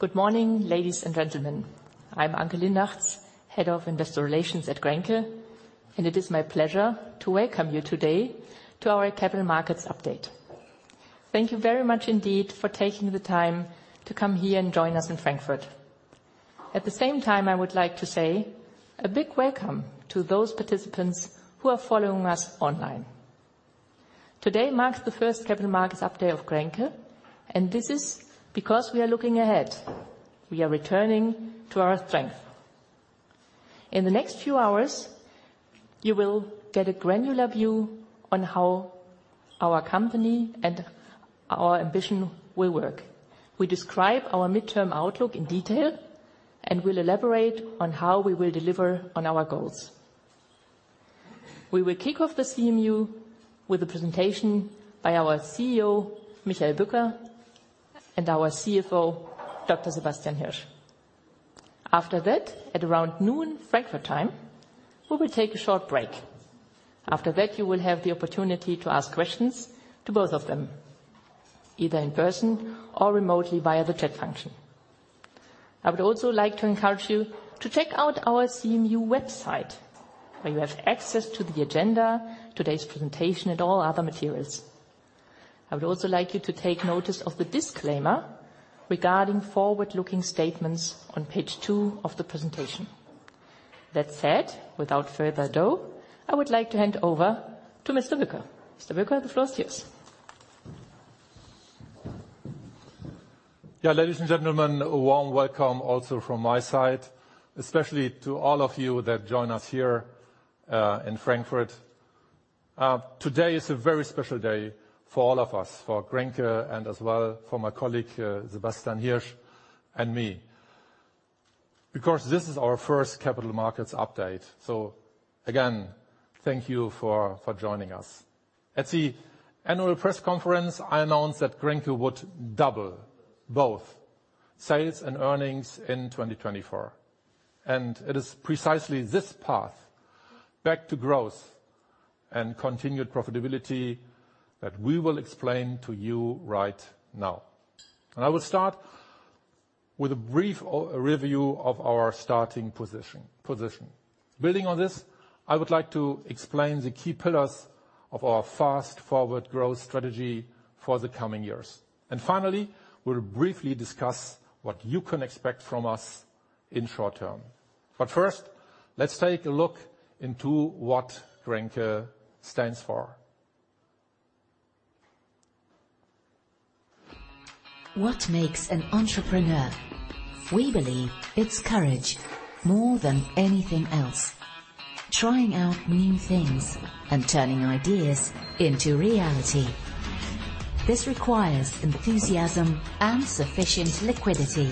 Good morning, ladies and gentlemen. I'm Anke Linnartz, Head of Investor Relations at Grenke, and it is my pleasure to welcome you today to our capital markets update. Thank you very much indeed for taking the time to come here and join us in Frankfurt. At the same time, I would like to say a big welcome to those participants who are following us online. Today marks the first capital markets update of Grenke, and this is because we are looking ahead. We are returning to our strength. In the next few hours, you will get a granular view on how our company and our ambition will work. We describe our midterm outlook in detail, and we'll elaborate on how we will deliver on our goals. We will kick off the CMU with a presentation by our CEO, Michael Bücker, and our CFO, Dr. Sebastian Hirsch. After that, at around noon Frankfurt time, we will take a short break. After that, you will have the opportunity to ask questions to both of them, either in person or remotely via the chat function. I would also like to encourage you to check out our CMU website, where you have access to the agenda, today's presentation, and all other materials. I would also like you to take notice of the disclaimer regarding forward-looking statements on page two of the presentation. That said, without further ado, I would like to hand over to Mr. Bücker. Mr. Bücker, the floor is yours. Yeah. Ladies and gentlemen, a warm welcome also from my side, especially to all of you that join us here in Frankfurt. Today is a very special day for all of us, for Grenke and as well for my colleague, Sebastian Hirsch and me, because this is our first capital markets update. Again, thank you for joining us. At the annual press conference, I announced that Grenke would double both sales and earnings in 2024, and it is precisely this path back to growth and continued profitability that we will explain to you right now. I will start with a brief review of our starting position. Building on this, I would like to explain the key pillars of our fast-forward growth strategy for the coming years. Finally, we'll briefly discuss what you can expect from us in short term. First, let's take a look into what Grenke stands for. What makes an entrepreneur? We believe it's courage more than anything else. Trying out new things and turning ideas into reality. This requires enthusiasm and sufficient liquidity.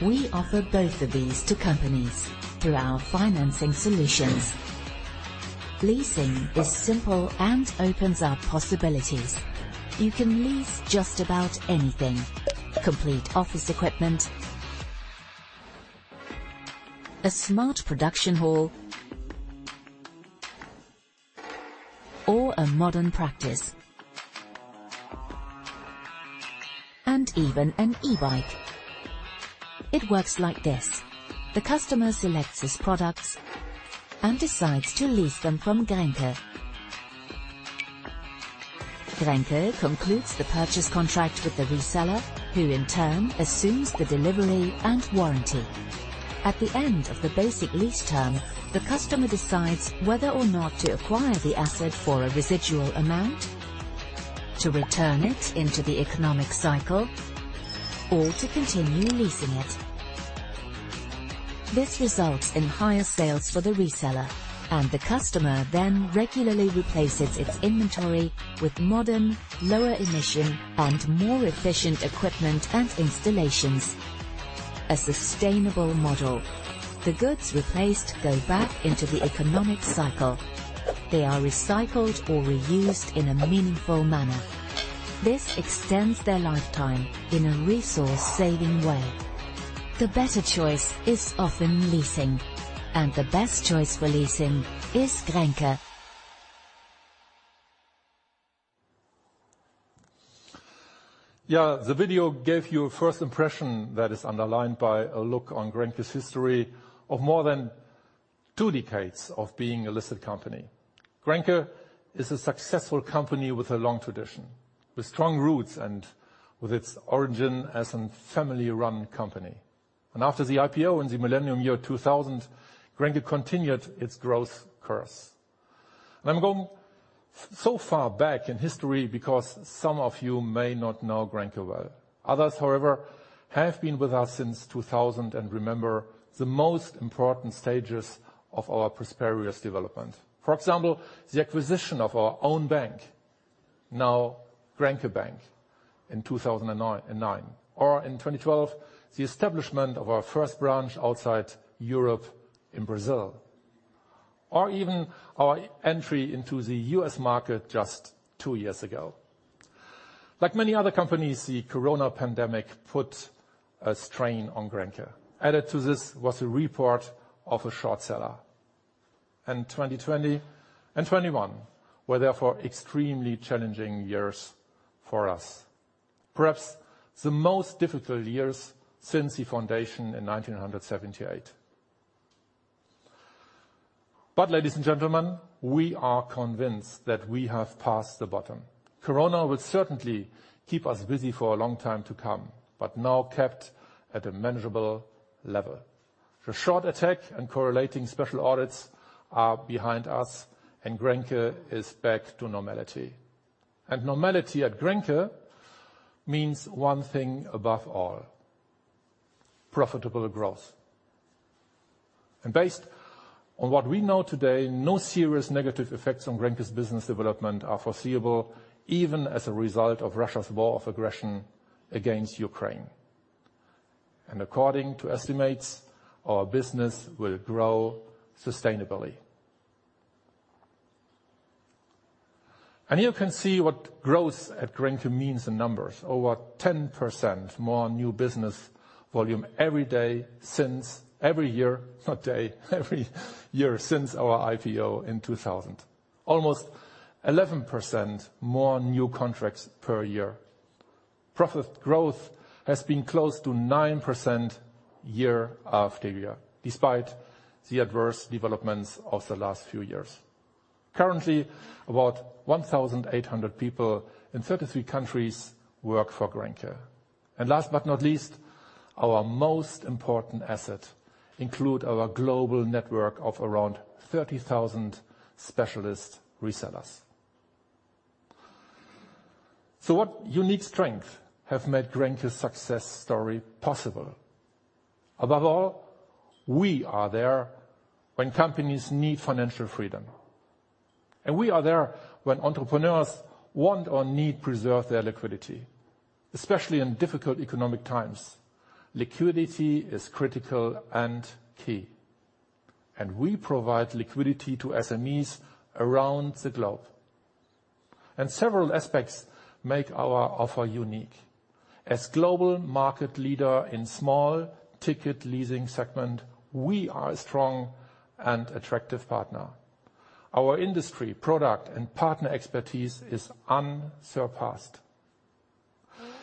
We offer both of these to companies through our financing solutions. Leasing is simple and opens up possibilities. You can lease just about anything. Complete office equipment, a smart production hall, or a modern practice, and even an e-bike. It works like this. The customer selects his products and decides to lease them from Grenke. Grenke concludes the purchase contract with the reseller, who in turn assumes the delivery and warranty. At the end of the basic lease term, the customer decides whether or not to acquire the asset for a residual amount, to return it into the economic cycle, or to continue leasing it. This results in higher sales for the reseller, and the customer then regularly replaces its inventory with modern, lower emission, and more efficient equipment and installations. A sustainable model. The goods replaced go back into the economic cycle. They are recycled or reused in a meaningful manner. This extends their lifetime in a resource-saving way. The better choice is often leasing, and the best choice for leasing is Grenke. Yeah, the video gave you a first impression that is underlined by a look on Grenke's history of more than two decades of being a listed company. Grenke is a successful company with a long tradition, with strong roots and with its origin as a family-run company. After the IPO in the millennium year 2000, Grenke continued its growth course. I'm going so far back in history because some of you may not know Grenke well. Others, however, have been with us since 2000 and remember the most important stages of our prosperous development. For example, the acquisition of our own bank, now Grenke Bank, in 2009. Or in 2012, the establishment of our first branch outside Europe in Brazil. Or even our entry into the U.S. market just two years ago. Like many other companies, the corona pandemic put a strain on Grenke. Added to this was a report of a short seller. 2020 and 2021 were therefore extremely challenging years for us. Perhaps the most difficult years since the foundation in 1978. Ladies and gentlemen, we are convinced that we have passed the bottom. Corona will certainly keep us busy for a long time to come, but now kept at a manageable level. The short attack and correlating special audits are behind us, and Grenke is back to normality. Normality at Grenke means one thing above all, profitable growth. Based on what we know today, no serious negative effects on Grenke's business development are foreseeable, even as a result of Russia's war of aggression against Ukraine. According to estimates, our business will grow sustainably. You can see what growth at Grenke means in numbers. Over 10% more new business volume every year since our IPO in 2000. Almost 11% more new contracts per year. Profit growth has been close to 9% year after year, despite the adverse developments of the last few years. Currently, about 1,800 people in 33 countries work for Grenke. Last but not least, our most important asset include our global network of around 30,000 specialist resellers. What unique strength have made Grenke's success story possible? Above all, we are there when companies need financial freedom, and we are there when entrepreneurs want or need preserve their liquidity. Especially in difficult economic times, liquidity is critical and key, and we provide liquidity to SMEs around the globe. Several aspects make our offer unique. As global market leader in small-ticket leasing segment, we are a strong and attractive partner. Our industry, product, and partner expertise is unsurpassed.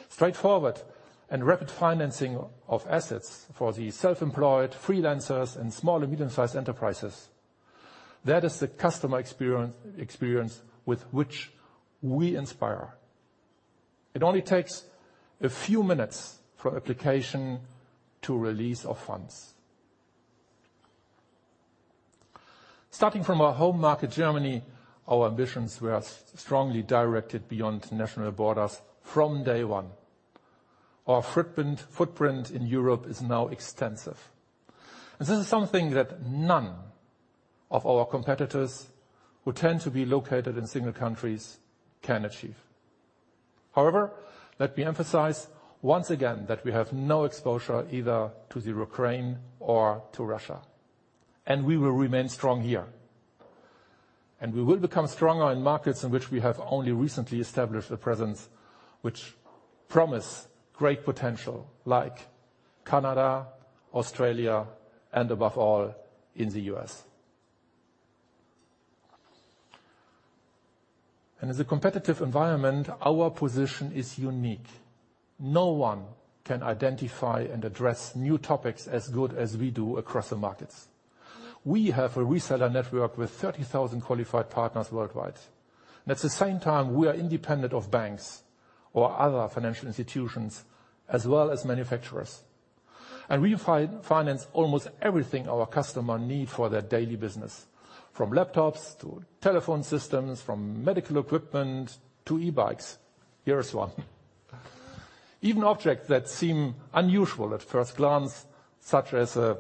Straightforward and rapid financing of assets for the self-employed, freelancers, and small and medium-sized enterprises, that is the customer experience with which we inspire. It only takes a few minutes for application to release of funds. Starting from our home market, Germany, our ambitions were strongly directed beyond national borders from day one. Our footprint in Europe is now extensive. This is something that none of our competitors, who tend to be located in single countries, can achieve. However, let me emphasize once again that we have no exposure either to the Ukraine or to Russia, and we will remain strong here. We will become stronger in markets in which we have only recently established a presence which promise great potential like Canada, Australia, and above all, in the U.S. As a competitive environment, our position is unique. No one can identify and address new topics as good as we do across the markets. We have a reseller network with 30,000 qualified partners worldwide, and at the same time, we are independent of banks or other financial institutions, as well as manufacturers. We finance almost everything our customer need for their daily business, from laptops to telephone systems, from medical equipment to e-bikes. Here is one. Even objects that seem unusual at first glance, such as a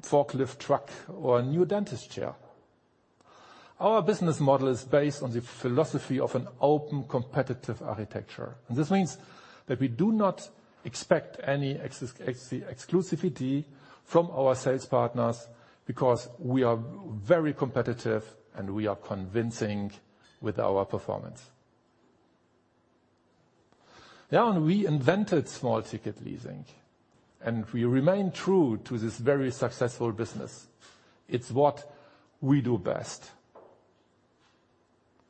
forklift truck or a new dentist chair. Our business model is based on the philosophy of an open, competitive architecture. This means that we do not expect any exclusivity from our sales partners because we are very competitive, and we are convincing with our performance. We invented small ticket leasing, and we remain true to this very successful business. It's what we do best.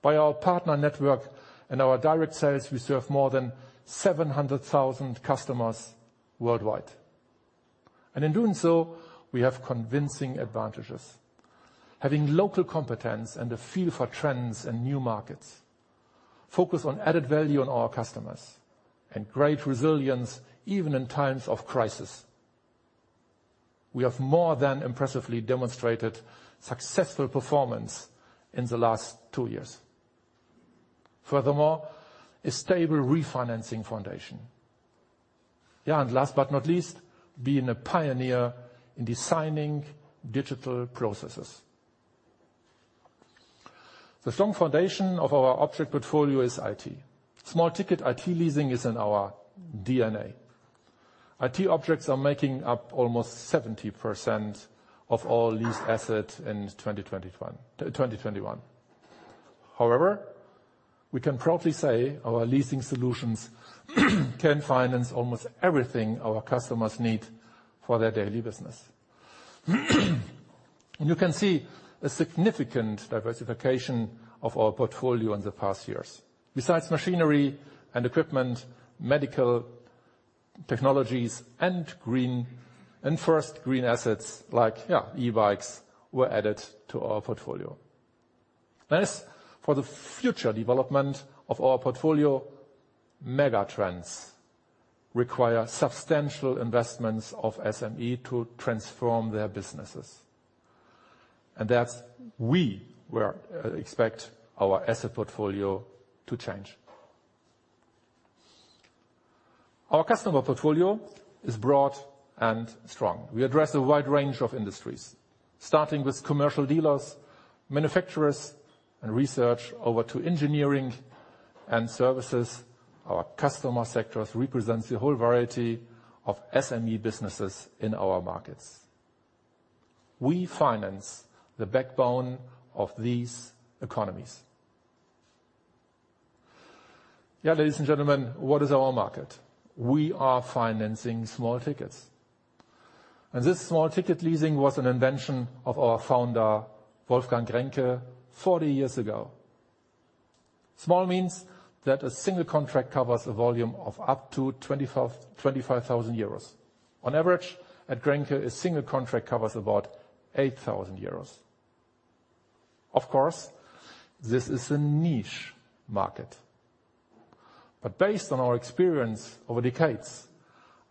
By our partner network and our direct sales, we serve more than 700,000 customers worldwide. In doing so, we have convincing advantages. Having local competence and a feel for trends and new markets, focus on added value on our customers, and great resilience even in times of crisis. We have more than impressively demonstrated successful performance in the last two years. Furthermore, a stable refinancing foundation. Yeah, and last but not least, being a pioneer in designing digital processes. The strong foundation of our object portfolio is IT. Small ticket IT leasing is in our DNA. IT objects are making up almost 70% of all leased assets in 2021. However, we can proudly say our leasing solutions can finance almost everything our customers need for their daily business. You can see a significant diversification of our portfolio in the past years. Besides machinery and equipment, medical technologies and green assets like e-bikes were added to our portfolio. As for the future development of our portfolio, mega trends require substantial investments of SME to transform their businesses. That's where we expect our asset portfolio to change. Our customer portfolio is broad and strong. We address a wide range of industries, starting with commercial dealers, manufacturers and research over to engineering and services. Our customer sectors represents a whole variety of SME businesses in our markets. We finance the backbone of these economies. Yeah, ladies and gentlemen, what is our market? We are financing small tickets. This small ticket leasing was an invention of our founder, Wolfgang Grenke, 40 years ago. Small means that a single contract covers a volume of up to 25,000 euros. On average, at Grenke, a single contract covers about 8,000 euros. Of course, this is a niche market. But based on our experience over decades,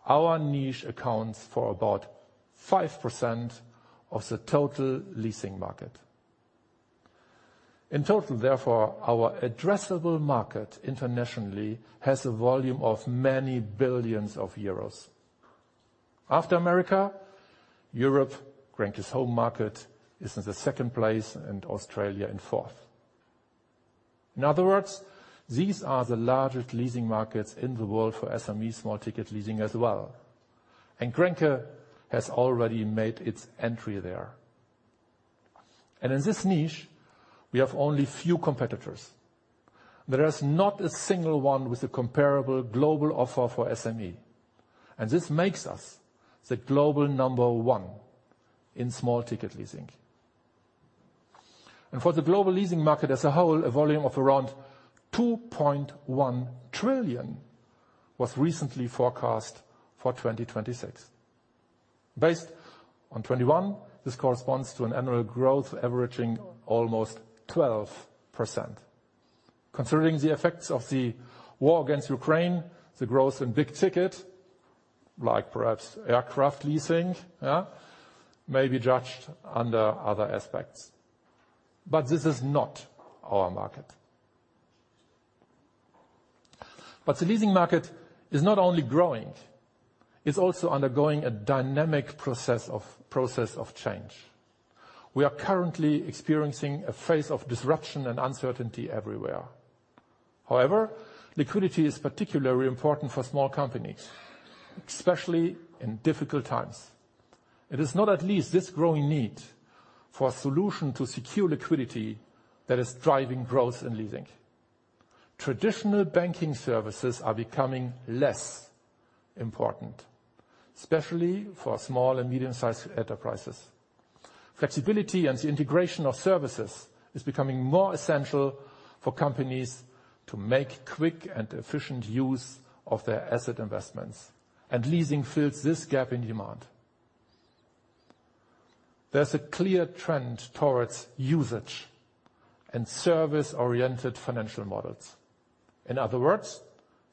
our niche accounts for about 5% of the total leasing market. In total, therefore, our addressable market internationally has a volume of many billions EUR. After America, Europe, Grenke's home market, is in the second place, and Australia in fourth. In other words, these are the largest leasing markets in the world for SME small ticket leasing as well. Grenke has already made its entry there. In this niche, we have only few competitors. There is not a single one with a comparable global offer for SME, and this makes us the global number one in small-ticket leasing. For the global leasing market as a whole, a volume of around 2.1 trillion was recently forecast for 2026. Based on 2021, this corresponds to an annual growth averaging almost 12%. Considering the effects of the war against Ukraine, the growth in big ticket, like perhaps aircraft leasing, yeah, may be judged under other aspects. This is not our market. The leasing market is not only growing, it's also undergoing a dynamic process of change. We are currently experiencing a phase of disruption and uncertainty everywhere. However, liquidity is particularly important for small companies, especially in difficult times. It is not least this growing need for a solution to secure liquidity that is driving growth in leasing. Traditional banking services are becoming less important, especially for small and medium-sized enterprises. Flexibility and the integration of services is becoming more essential for companies to make quick and efficient use of their asset investments and leasing fills this gap in demand. There's a clear trend towards usage and service-oriented financial models. In other words,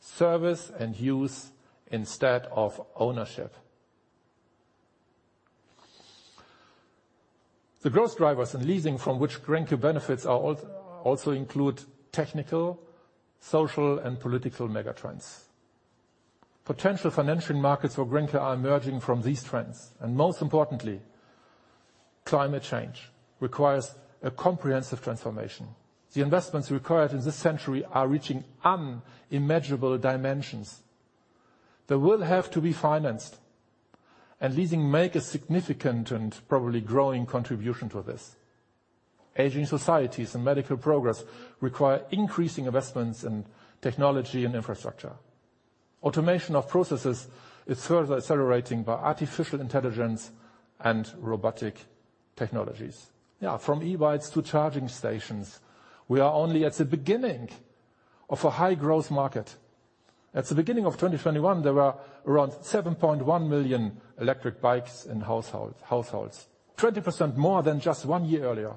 service and use instead of ownership. The growth drivers in leasing from which Grenke benefits also include technical, social and political mega trends. Potential financial markets for Grenke are emerging from these trends, and most importantly, climate change requires a comprehensive transformation. The investments required in this century are reaching unimaginable dimensions that will have to be financed, and leasing makes a significant and probably growing contribution to this. Aging societies and medical progress require increasing investments in technology and infrastructure. Automation of processes is further accelerating by artificial intelligence and robotic technologies. Yeah, from e-bikes to charging stations, we are only at the beginning of a high-growth market. At the beginning of 2021, there were around 7.1 million electric bikes in households, 20% more than just one year earlier.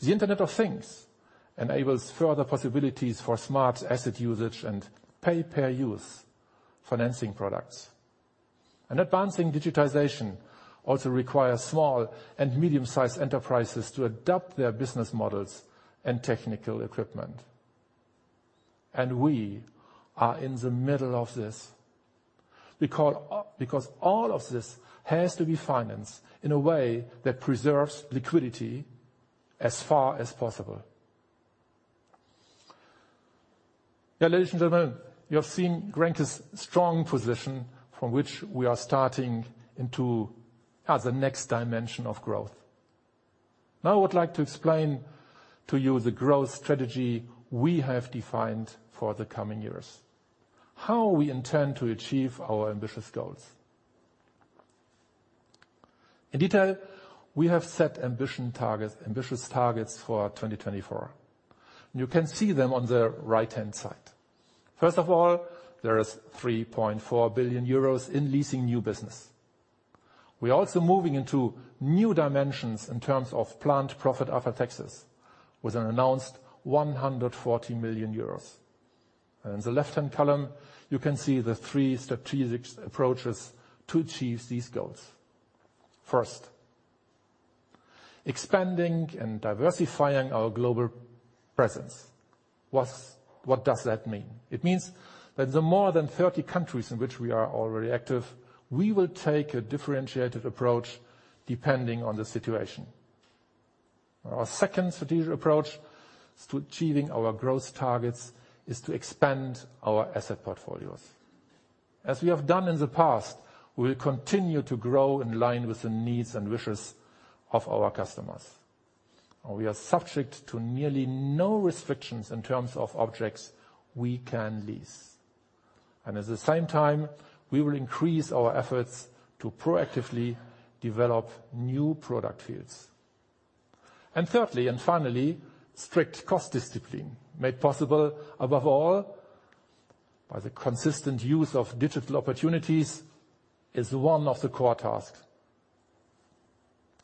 The Internet of Things enables further possibilities for smart asset usage and pay-per-use financing products. Advancing digitization also requires small and medium-sized enterprises to adapt their business models and technical equipment. We are in the middle of this because all of this has to be financed in a way that preserves liquidity as far as possible. Yeah. Ladies and gentlemen, you have seen Grenke's strong position from which we are starting into the next dimension of growth. Now I would like to explain to you the growth strategy we have defined for the coming years. How we intend to achieve our ambitious goals. In detail, we have set ambitious targets for 2024, and you can see them on the right-hand side. First of all, there is 3.4 billion euros in leasing new business. We are also moving into new dimensions in terms of profit after taxes with an announced 140 million euros. In the left-hand column, you can see the three strategic approaches to achieve these goals. First, expanding and diversifying our global presence. What does that mean? It means that the more than 30 countries in which we are already active, we will take a differentiated approach depending on the situation. Our second strategic approach is to achieving our growth targets, is to expand our asset portfolios. As we have done in the past, we will continue to grow in line with the needs and wishes of our customers. We are subject to nearly no restrictions in terms of objects we can lease. At the same time, we will increase our efforts to proactively develop new product fields. Thirdly, and finally, strict cost discipline made possible above all by the consistent use of digital opportunities, is one of the core tasks.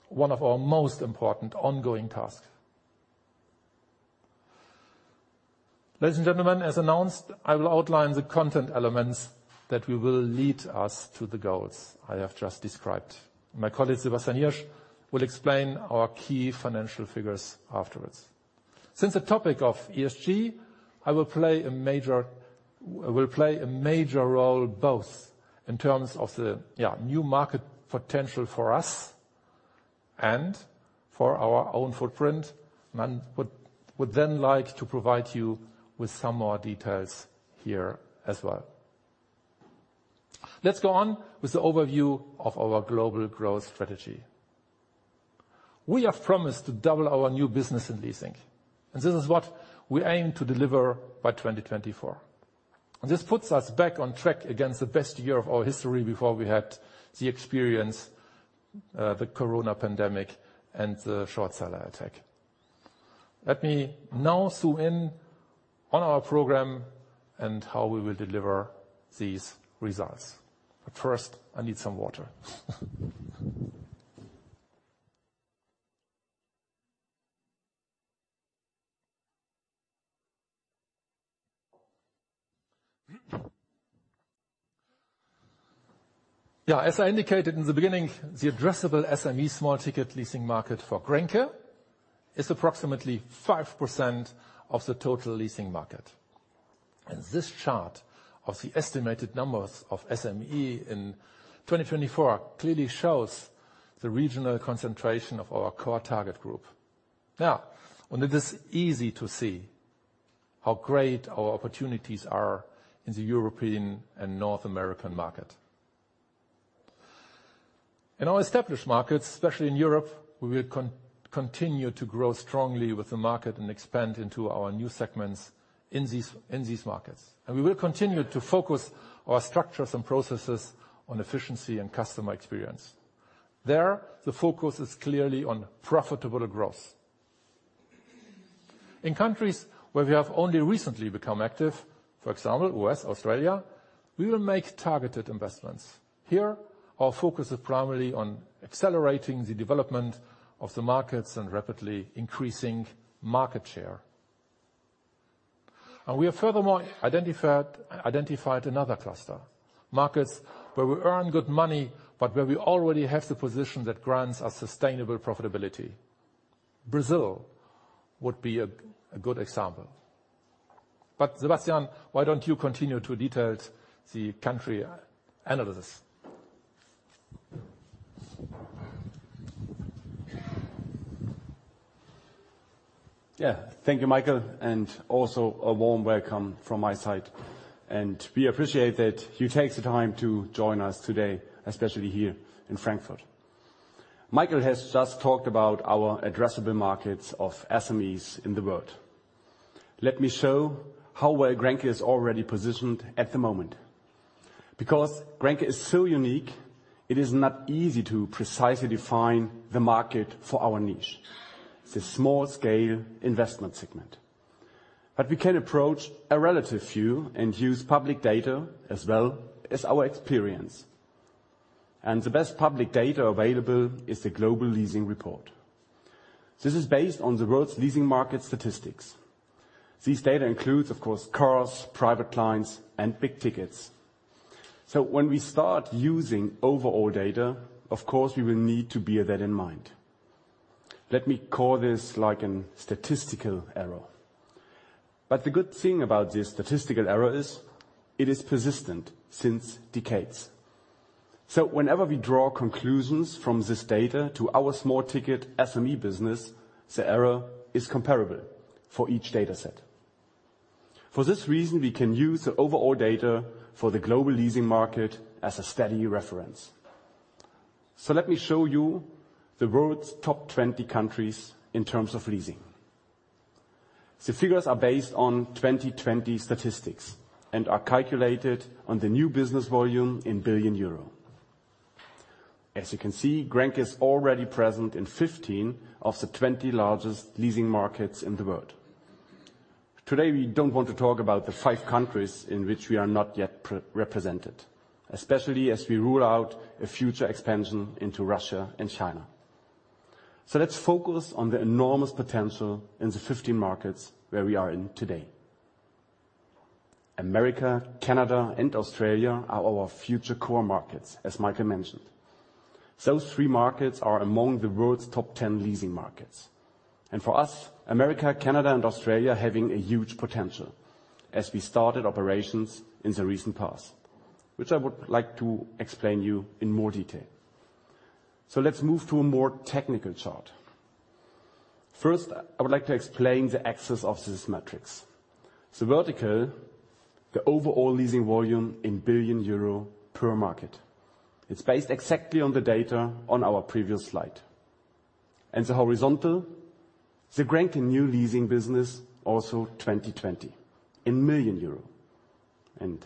One of our most important ongoing tasks. Ladies and gentlemen, as announced, I will outline the content elements that will lead us to the goals I have just described. My colleague, Sebastian Hirsch, will explain our key financial figures afterwards. Since the topic of ESG, I will play a major role both in terms of the new market potential for us and for our own footprint. I would then like to provide you with some more details here as well. Let's go on with the overview of our global growth strategy. We have promised to double our new business in leasing, and this is what we aim to deliver by 2024. This puts us back on track against the best year of our history before we had the experience, the corona pandemic and the short seller attack. Let me now zoom in on our program and how we will deliver these results. First, I need some water. As I indicated in the beginning, the addressable SME small ticket leasing market for Grenke is approximately 5% of the total leasing market. This chart of the estimated numbers of SME in 2024 clearly shows the regional concentration of our core target group. It is easy to see how great our opportunities are in the European and North American market. In our established markets, especially in Europe, we will continue to grow strongly with the market and expand into our new segments in these markets. We will continue to focus our structures and processes on efficiency and customer experience. There, the focus is clearly on profitable growth. In countries where we have only recently become active, for example, U.S., Australia, we will make targeted investments. Here, our focus is primarily on accelerating the development of the markets and rapidly increasing market share. We have furthermore identified another cluster. Markets where we earn good money, but where we already have the position that grants us sustainable profitability. Brazil would be a good example. Sebastian, why don't you continue to detail the country analysis? Yeah. Thank you, Michael. Also a warm welcome from my side. We appreciate that you take the time to join us today, especially here in Frankfurt. Michael has just talked about our addressable markets of SMEs in the world. Let me show how well Grenke is already positioned at the moment. Because Grenke is so unique, it is not easy to precisely define the market for our niche, the small scale investment segment. We can approach a relative few and use public data as well as our experience. The best public data available is the Global Leasing Report. This is based on the world's leasing market statistics. These data includes, of course, cars, private clients, and big tickets. When we start using overall data, of course, we will need to bear that in mind. Let me call this like a statistical error. The good thing about this statistical error is it is persistent since decades. Whenever we draw conclusions from this data to our small-ticket SME business, the error is comparable for each data set. For this reason, we can use the overall data for the global leasing market as a steady reference. Let me show you the world's top 20 countries in terms of leasing. The figures are based on 2020 statistics and are calculated on the new business volume in billion euro. As you can see, Grenke is already present in 15 of the 20 largest leasing markets in the world. Today, we don't want to talk about the five countries in which we are not yet represented, especially as we rule out a future expansion into Russia and China. Let's focus on the enormous potential in the 15 markets where we are in today. America, Canada, and Australia are our future core markets, as Michael mentioned. Those three markets are among the world's top 10 leasing markets. For us, America, Canada and Australia are having a huge potential as we started operations in the recent past, which I would like to explain to you in more detail. Let's move to a more technical chart. First, I would like to explain the axis of this metrics. The vertical, the overall leasing volume in billion euro per market. It's based exactly on the data on our previous slide. The horizontal, the Grenke new leasing business, also 2020 in million euro. You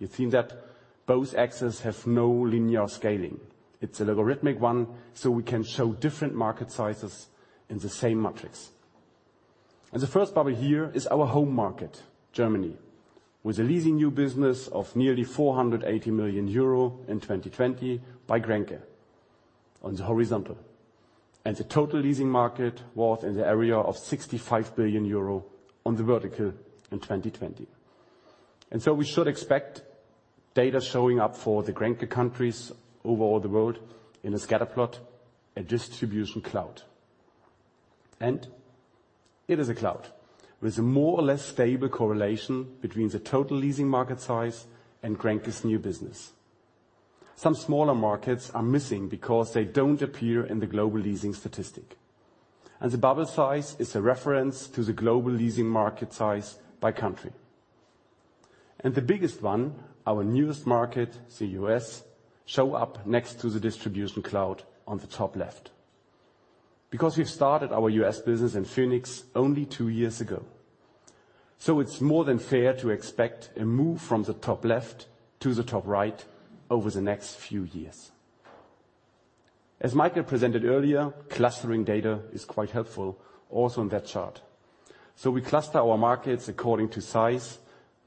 can see that both axes have no linear scaling. It's a logarithmic one, so we can show different market sizes in the same matrix. The first bubble here is our home market, Germany, with a leasing new business of nearly 480 million euro in 2020 by Grenke on the horizontal. The total leasing market was in the area of 65 billion euro on the vertical in 2020. We should expect data showing up for the Grenke countries over all the world in a scatter plot, a distribution cloud. It is a cloud with more or less stable correlation between the total leasing market size and Grenke's new business. Some smaller markets are missing because they don't appear in the global leasing statistic. The bubble size is a reference to the global leasing market size by country. The biggest one, our newest market, the U.S., show up next to the distribution cloud on the top left. Because we've started our U.S. business in Phoenix only two years ago, so it's more than fair to expect a move from the top left to the top right over the next few years. As Michael presented earlier, clustering data is quite helpful also in that chart. We cluster our markets according to size,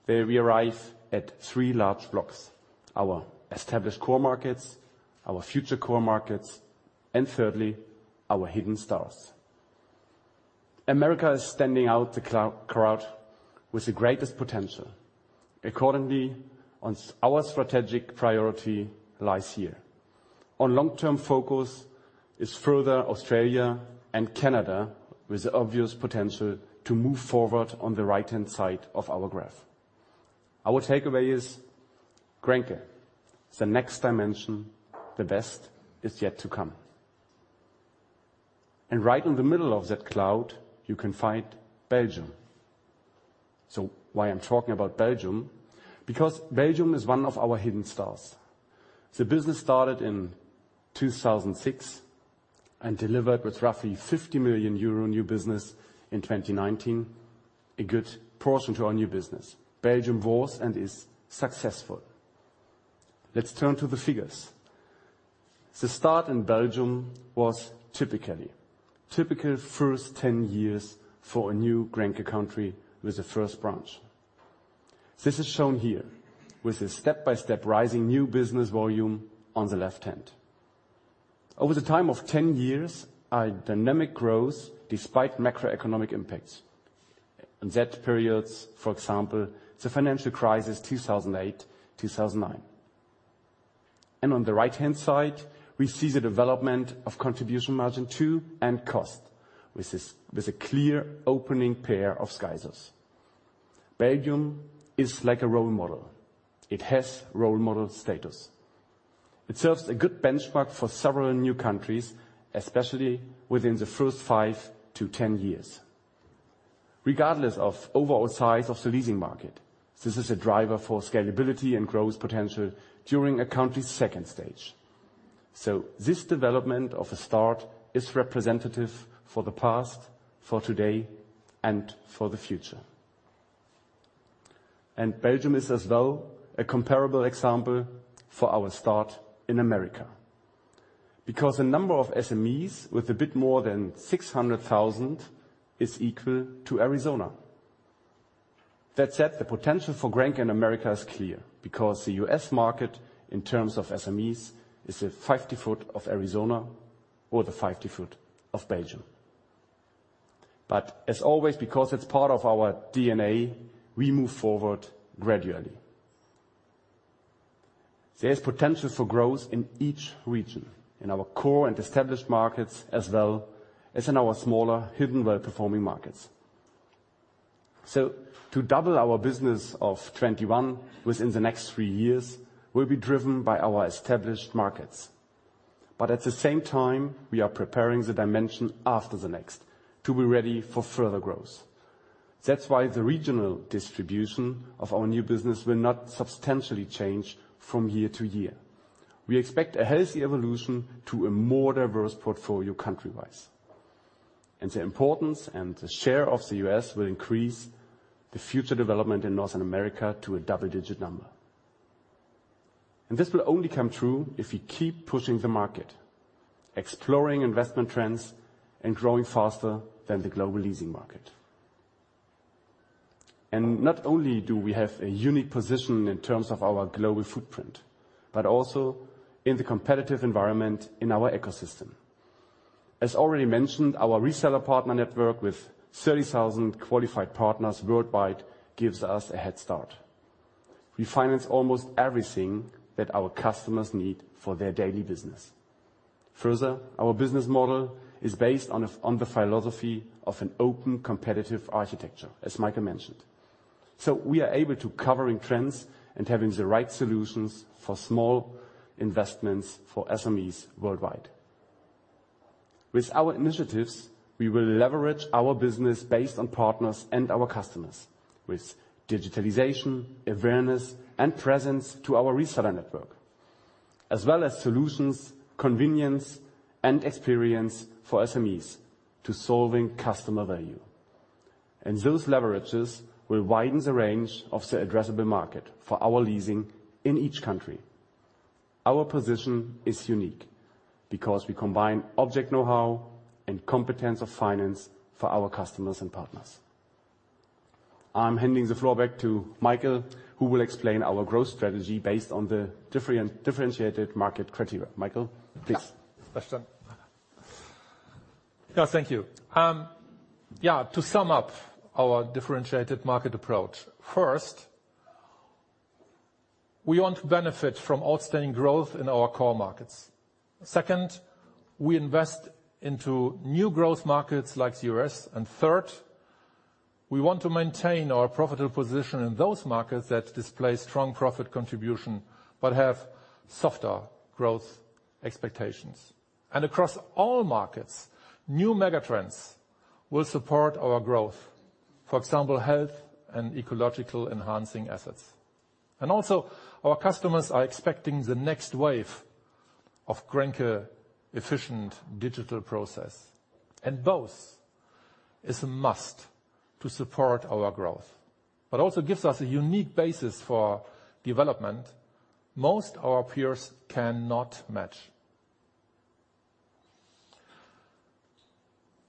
where we arrive at three large blocks, our established core markets, our future core markets, and thirdly, our hidden stars. America is standing out of the crowd with the greatest potential. Accordingly, our strategic priority lies here. Our long-term focus is further Australia and Canada, with obvious potential to move forward on the right-hand side of our graph. Our takeaway is Grenke, the next dimension, the best is yet to come. Right in the middle of that cloud, you can find Belgium. Why I'm talking about Belgium? Because Belgium is one of our hidden stars. The business started in 2006 and delivered with roughly 50 million euro new business in 2019, a good portion to our new business. Belgium was and is successful. Let's turn to the figures. The start in Belgium was typically. Typical first 10 years for a new Grenke country with the first branch. This is shown here with a step-by-step rising new business volume on the left-hand. Over the time of 10 years, a dynamic growth despite macroeconomic impacts. In that periods, for example, the financial crisis, 2008, 2009. On the right-hand side, we see the development of Contribution Margin 2 and cost. With a clear opening pair of scissors. Belgium is like a role model. It has role model status. It serves a good benchmark for several new countries, especially within the first five to 10 years. Regardless of overall size of the leasing market, this is a driver for scalability and growth potential during a country's second stage. This development of a start is representative for the past, for today, and for the future. Belgium is as well a comparable example for our start in America. Because the number of SMEs with a bit more than 600,000 is equal to Arizona. That said, the potential for Grenke in America is clear because the U.S. market in terms of SMEs is the fifty-fold of Arizona or the fifty-fold of Belgium. As always, because it's part of our DNA, we move forward gradually. There is potential for growth in each region, in our core and established markets as well as in our smaller, hidden, well-performing markets. To double our business of 21 within the next three years will be driven by our established markets. At the same time, we are preparing the dimension after the next to be ready for further growth. That's why the regional distribution of our new business will not substantially change from year to year. We expect a healthy evolution to a more diverse portfolio country-wise. The importance and the share of the U.S. will increase the future development in North America to a double-digit number. This will only come true if we keep pushing the market, exploring investment trends, and growing faster than the global leasing market. Not only do we have a unique position in terms of our global footprint, but also in the competitive environment in our ecosystem. As already mentioned, our reseller partner network with 30,000 qualified partners worldwide gives us a head start. We finance almost everything that our customers need for their daily business. Further, our business model is based on the philosophy of an open competitive architecture, as Michael mentioned. We are able to cover trends and have the right solutions for small investments for SMEs worldwide. With our initiatives, we will leverage our business based on partners and our customers with digitalization, awareness, and presence to our reseller network, as well as solutions, convenience, and experience for SMEs to solve customer value. Those leverages will widen the range of the addressable market for our leasing in each country. Our position is unique because we combine object know-how and competence of finance for our customers and partners. I'm handing the floor back to Michael, who will explain our growth strategy based on the differentiated market criteria. Michael, please. Yeah. Sebastian. Yeah, thank you. Yeah, to sum up our differentiated market approach. First, we want to benefit from outstanding growth in our core markets. Second, we invest into new growth markets like the U.S. Third, we want to maintain our profitable position in those markets that display strong profit contribution, but have softer growth expectations. Across all markets, new mega trends will support our growth. For example, health and ecological enhancing assets. Also our customers are expecting the next wave of Grenke efficient digital process. Both is a must to support our growth, but also gives us a unique basis for development most our peers cannot match.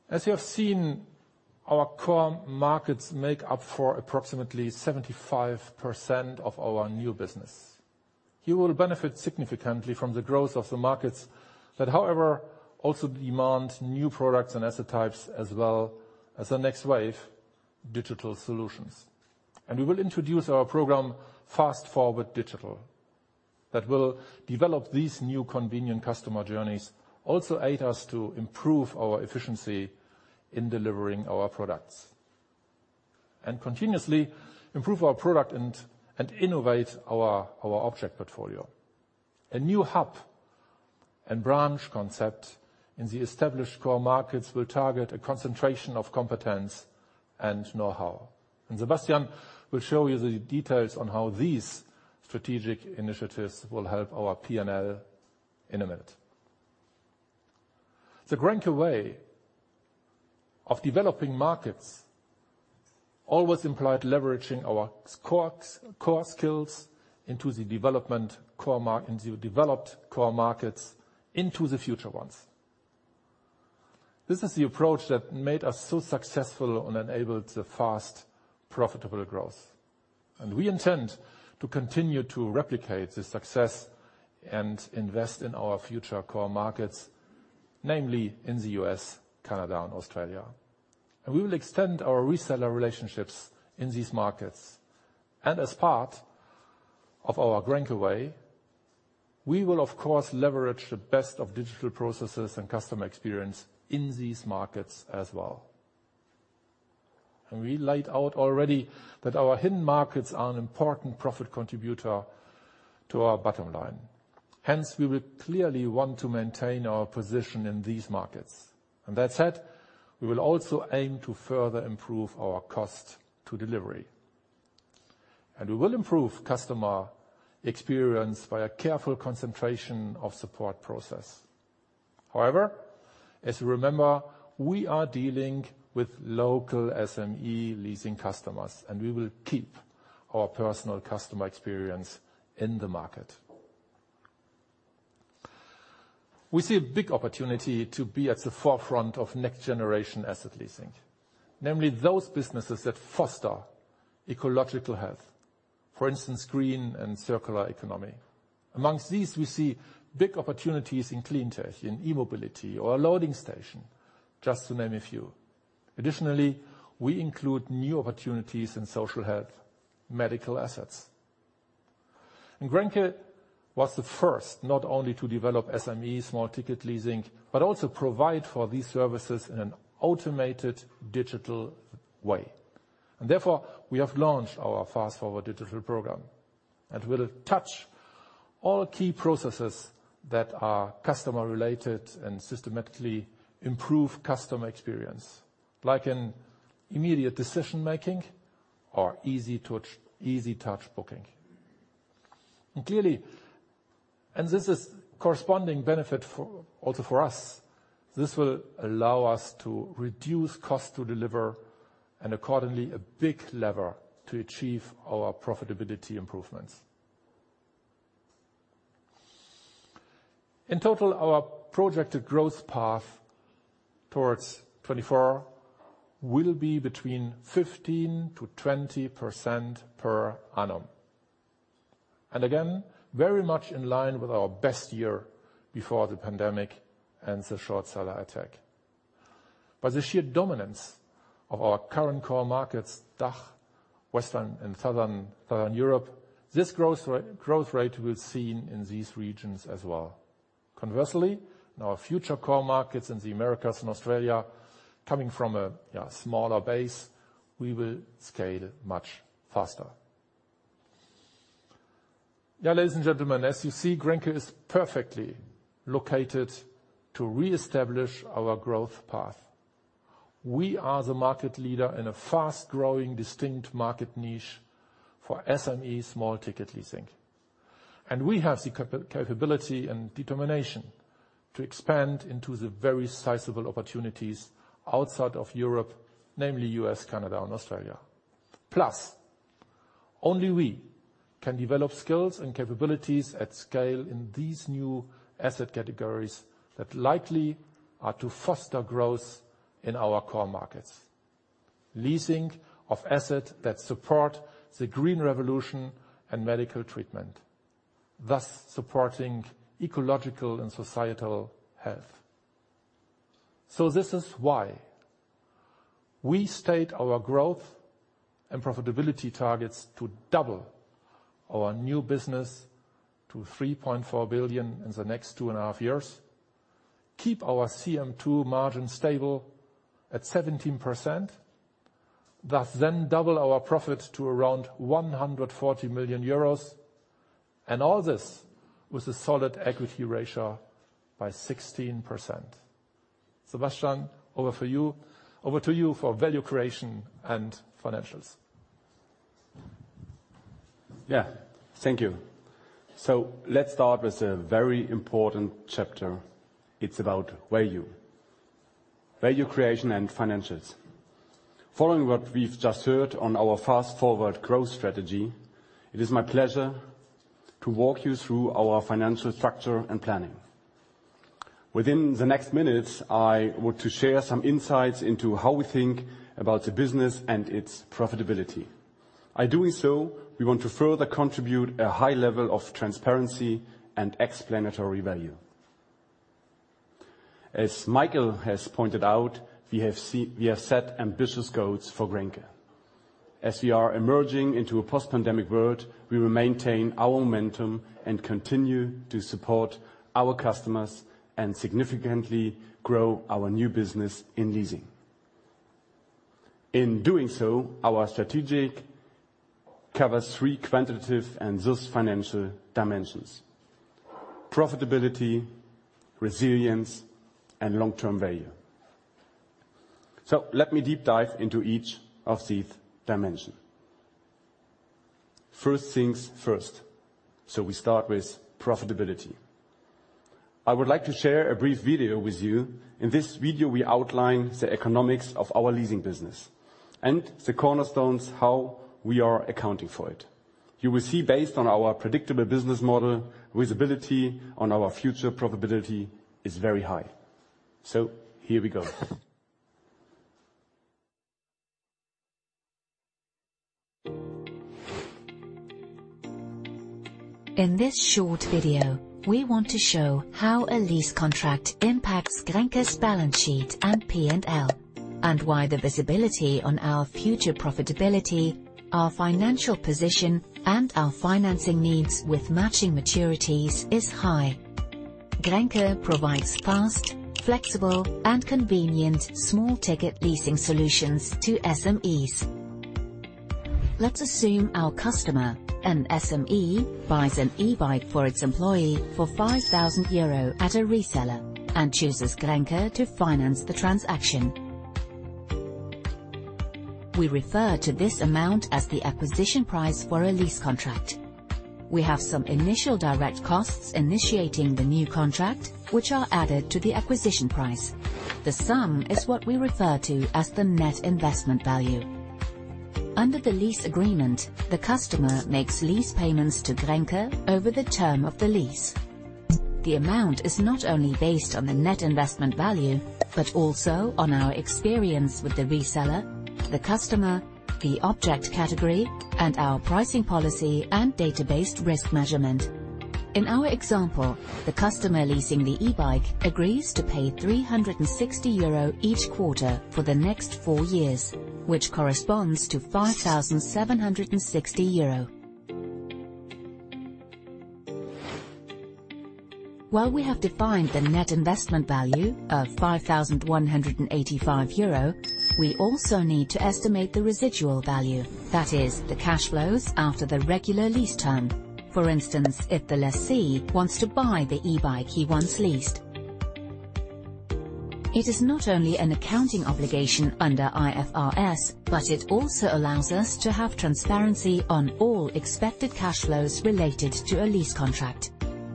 As you have seen, our core markets make up for approximately 75% of our new business. You will benefit significantly from the growth of the markets that, however, also demand new products and asset types as well as the next wave digital solutions. We will introduce our program Fast Forward Digital that will develop these new convenient customer journeys, also aid us to improve our efficiency in delivering our products. Continuously improve our product and innovate our object portfolio. A new hub and branch concept in the established core markets will target a concentration of competence and know-how. Sebastian will show you the details on how these strategic initiatives will help our P&L in a minute. The Grenke way of developing markets always implied leveraging our core ex-core skills into developed core markets into the future ones. This is the approach that made us so successful and enabled the fast profitable growth. We intend to continue to replicate the success and invest in our future core markets, namely in the U.S., Canada and Australia. We will extend our reseller relationships in these markets. As part of our Grenke way, we will of course leverage the best of digital processes and customer experience in these markets as well. We laid out already that our hidden markets are an important profit contributor to our bottom line. Hence, we will clearly want to maintain our position in these markets. That said, we will also aim to further improve our cost to delivery. We will improve customer experience by a careful concentration of support process. However, as you remember, we are dealing with local SME leasing customers, and we will keep our personal customer experience in the market. We see a big opportunity to be at the forefront of next generation asset leasing, namely those businesses that foster ecological health, for instance, green and circular economy. Among these, we see big opportunities in clean tech, in e-mobility or a loading station, just to name a few. Additionally, we include new opportunities in social health, medical assets. Grenke was the first not only to develop SME small-ticket leasing, but also provide for these services in an automated digital way. Therefore, we have launched our Fast Forward Digital program. Will touch all key processes that are customer related and systematically improve customer experience, like in immediate decision-making or easy touch booking. Clearly, and this is corresponding benefit for, also for us. This will allow us to reduce cost to deliver and accordingly a big lever to achieve our profitability improvements. In total, our projected growth path towards 2024 will be between 15%-20% per annum. Again, very much in line with our best year before the pandemic and the short seller attack. By the sheer dominance of our current core markets, DACH, Western and Southern Europe, this growth rate will be seen in these regions as well. Conversely, in our future core markets in the Americas and Australia, coming from a smaller base, we will scale much faster. Yeah, ladies and gentlemen, as you see, Grenke is perfectly located to reestablish our growth path. We are the market leader in a fast-growing, distinct market niche for SME small-ticket leasing. We have the capability and determination to expand into the very sizable opportunities outside of Europe, namely U.S., Canada and Australia. Only we can develop skills and capabilities at scale in these new asset categories that likely are to foster growth in our core markets. Leasing of asset that support the green revolution and medical treatment, thus supporting ecological and societal health. This is why we state our growth and profitability targets to double our new business to 3.4 billion in the next two and a half years, keep our CM2 margin stable at 17%, thus then double our profit to around 140 million euros, and all this with a solid equity ratio by 16%. Sebastian, over for you. Over to you for value creation and financials. Yeah. Thank you. Let's start with a very important chapter. It's about value creation and financials. Following what we've just heard on our Fast Forward growth strategy, it is my pleasure to walk you through our financial structure and planning. Within the next minutes, I want to share some insights into how we think about the business and its profitability. By doing so, we want to further contribute a high level of transparency and explanatory value. As Michael has pointed out, we have set ambitious goals for Grenke. As we are emerging into a post-pandemic world, we will maintain our momentum and continue to support our customers and significantly grow our new business in leasing. In doing so, our strategy covers three quantitative and thus financial dimensions. Profitability, resilience, and long-term value. Let me deep dive into each of these dimensions. First things first, we start with profitability. I would like to share a brief video with you. In this video, we outline the economics of our leasing business and the cornerstones how we are accounting for it. You will see based on our predictable business model, visibility on our future profitability is very high. Here we go. In this short video, we want to show how a lease contract impacts Grenke's balance sheet and P&L, and why the visibility on our future profitability, our financial position, and our financing needs with matching maturities is high. Grenke provides fast, flexible, and convenient small-ticket leasing solutions to SMEs. Let's assume our customer, an SME, buys an e-bike for its employee for 5,000 euro at a reseller and chooses Grenke to finance the transaction. We refer to this amount as the acquisition price for a lease contract. We have some initial direct costs initiating the new contract, which are added to the acquisition price. The sum is what we refer to as the net investment value. Under the lease agreement, the customer makes lease payments to Grenke over the term of the lease. The amount is not only based on the net investment value, but also on our experience with the reseller, the customer, the object category, and our pricing policy and data-based risk measurement. In our example, the customer leasing the e-bike agrees to pay 360 euro each quarter for the next four years, which corresponds to 5,760 euro. While we have defined the net investment value of 5,185 euro, we also need to estimate the residual value, that is, the cash flows after the regular lease term. For instance, if the lessee wants to buy the e-bike he once leased. It is not only an accounting obligation under IFRS, but it also allows us to have transparency on all expected cash flows related to a lease contract.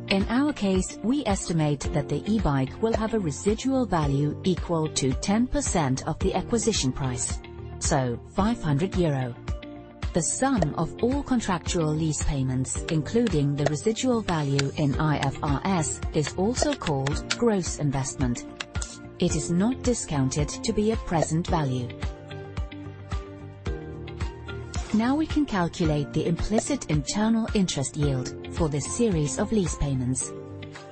In our case, we estimate that the e-bike will have a residual value equal to 10% of the acquisition price, so 500 euro. The sum of all contractual lease payments, including the residual value in IFRS, is also called gross investment. It is not discounted to be a present value. Now we can calculate the implicit internal interest yield for this series of lease payments.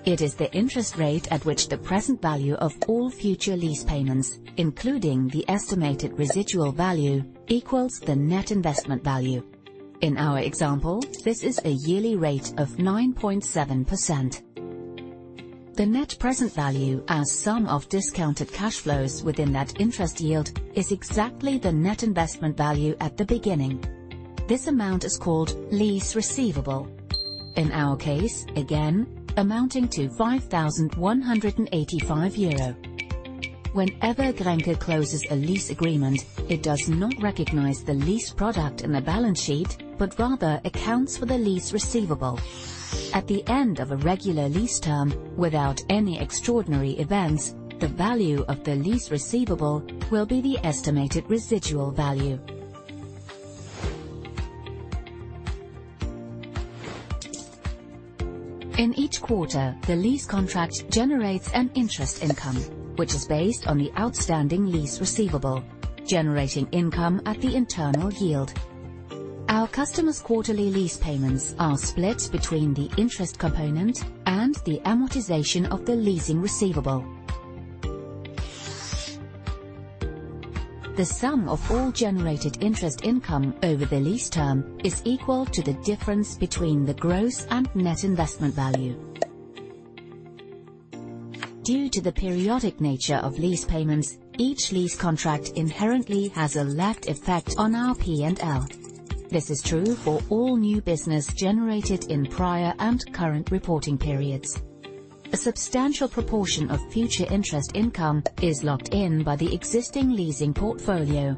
It is the interest rate at which the present value of all future lease payments, including the estimated residual value, equals the net investment value. In our example, this is a yearly rate of 9.7%. The net present value as sum of discounted cash flows within that interest yield is exactly the net investment value at the beginning. This amount is called lease receivable. In our case, again amounting to 5,185 euro. Whenever Grenke closes a lease agreement, it does not recognize the lease product in the balance sheet, but rather accounts for the lease receivable. At the end of a regular lease term without any extraordinary events, the value of the lease receivable will be the estimated residual value. In each quarter, the lease contract generates an interest income, which is based on the outstanding lease receivable, generating income at the internal yield. Our customer's quarterly lease payments are split between the interest component and the amortization of the lease receivable. The sum of all generated interest income over the lease term is equal to the difference between the gross and net investment value. Due to the periodic nature of lease payments, each lease contract inherently has a lagged effect on our P&L. This is true for all new business generated in prior and current reporting periods. A substantial proportion of future interest income is locked in by the existing leasing portfolio.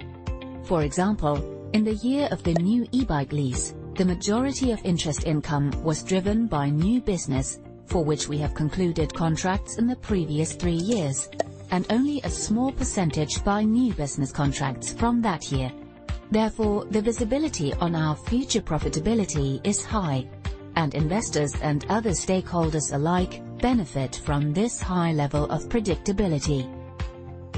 For example, in the year of the new e-bike lease, the majority of interest income was driven by new business for which we have concluded contracts in the previous three years, and only a small percentage by new business contracts from that year. Therefore, the visibility on our future profitability is high, and investors and other stakeholders alike benefit from this high level of predictability.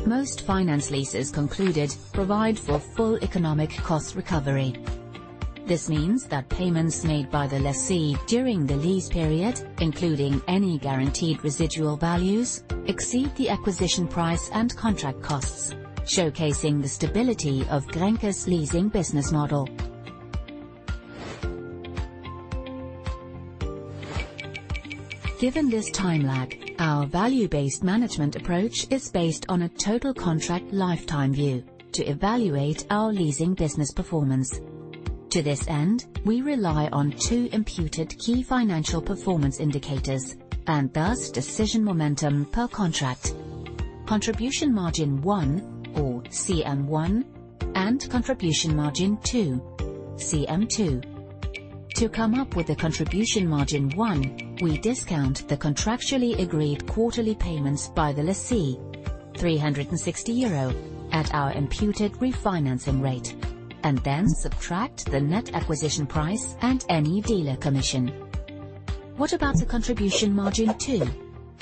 Most finance leases concluded provide for full economic cost recovery. This means that payments made by the lessee during the lease period, including any guaranteed residual values, exceed the acquisition price and contract costs, showcasing the stability of Grenke's leasing business model. Given this time lag, our value-based management approach is based on a total contract lifetime view to evaluate our leasing business performance. To this end, we rely on two imputed key financial performance indicators and thus decision momentum per contract. Contribution margin one or CM1 and contribution margin two, CM2. To come up with a contribution margin one, we discount the contractually agreed quarterly payments by the lessee, 360 euro, at our imputed refinancing rate, and then subtract the net acquisition price and any dealer commission. What about the contribution margin two?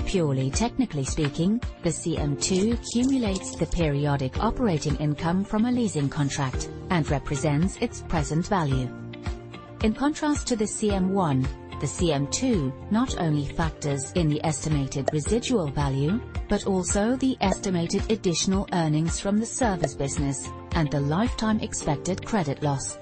Purely technically speaking, the CM2 cumulates the periodic operating income from a leasing contract and represents its present value. In contrast to the CM1, the CM2 not only factors in the estimated residual value, but also the estimated additional earnings from the service business and the lifetime expected credit loss.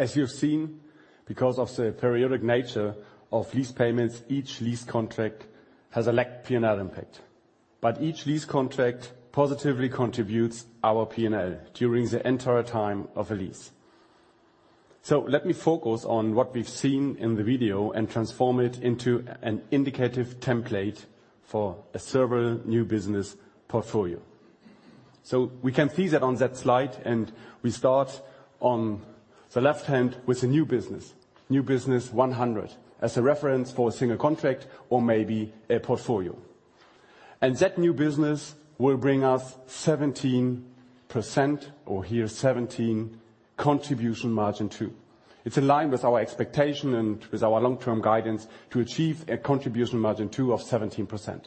As you've seen, because of the periodic nature of lease payments, each lease contract has a lagged P&L impact, but each lease contract positively contributes our P&L during the entire time of a lease. Let me focus on what we've seen in the video and transform it into an indicative template for several new business portfolio. We can see that on that slide, and we start on the left hand with the new business. New business 100 as a reference for a single contract or maybe a portfolio. That new business will bring us 17% or here 17 contribution margin two. It's in line with our expectation and with our long-term guidance to achieve a contribution margin two of 17%.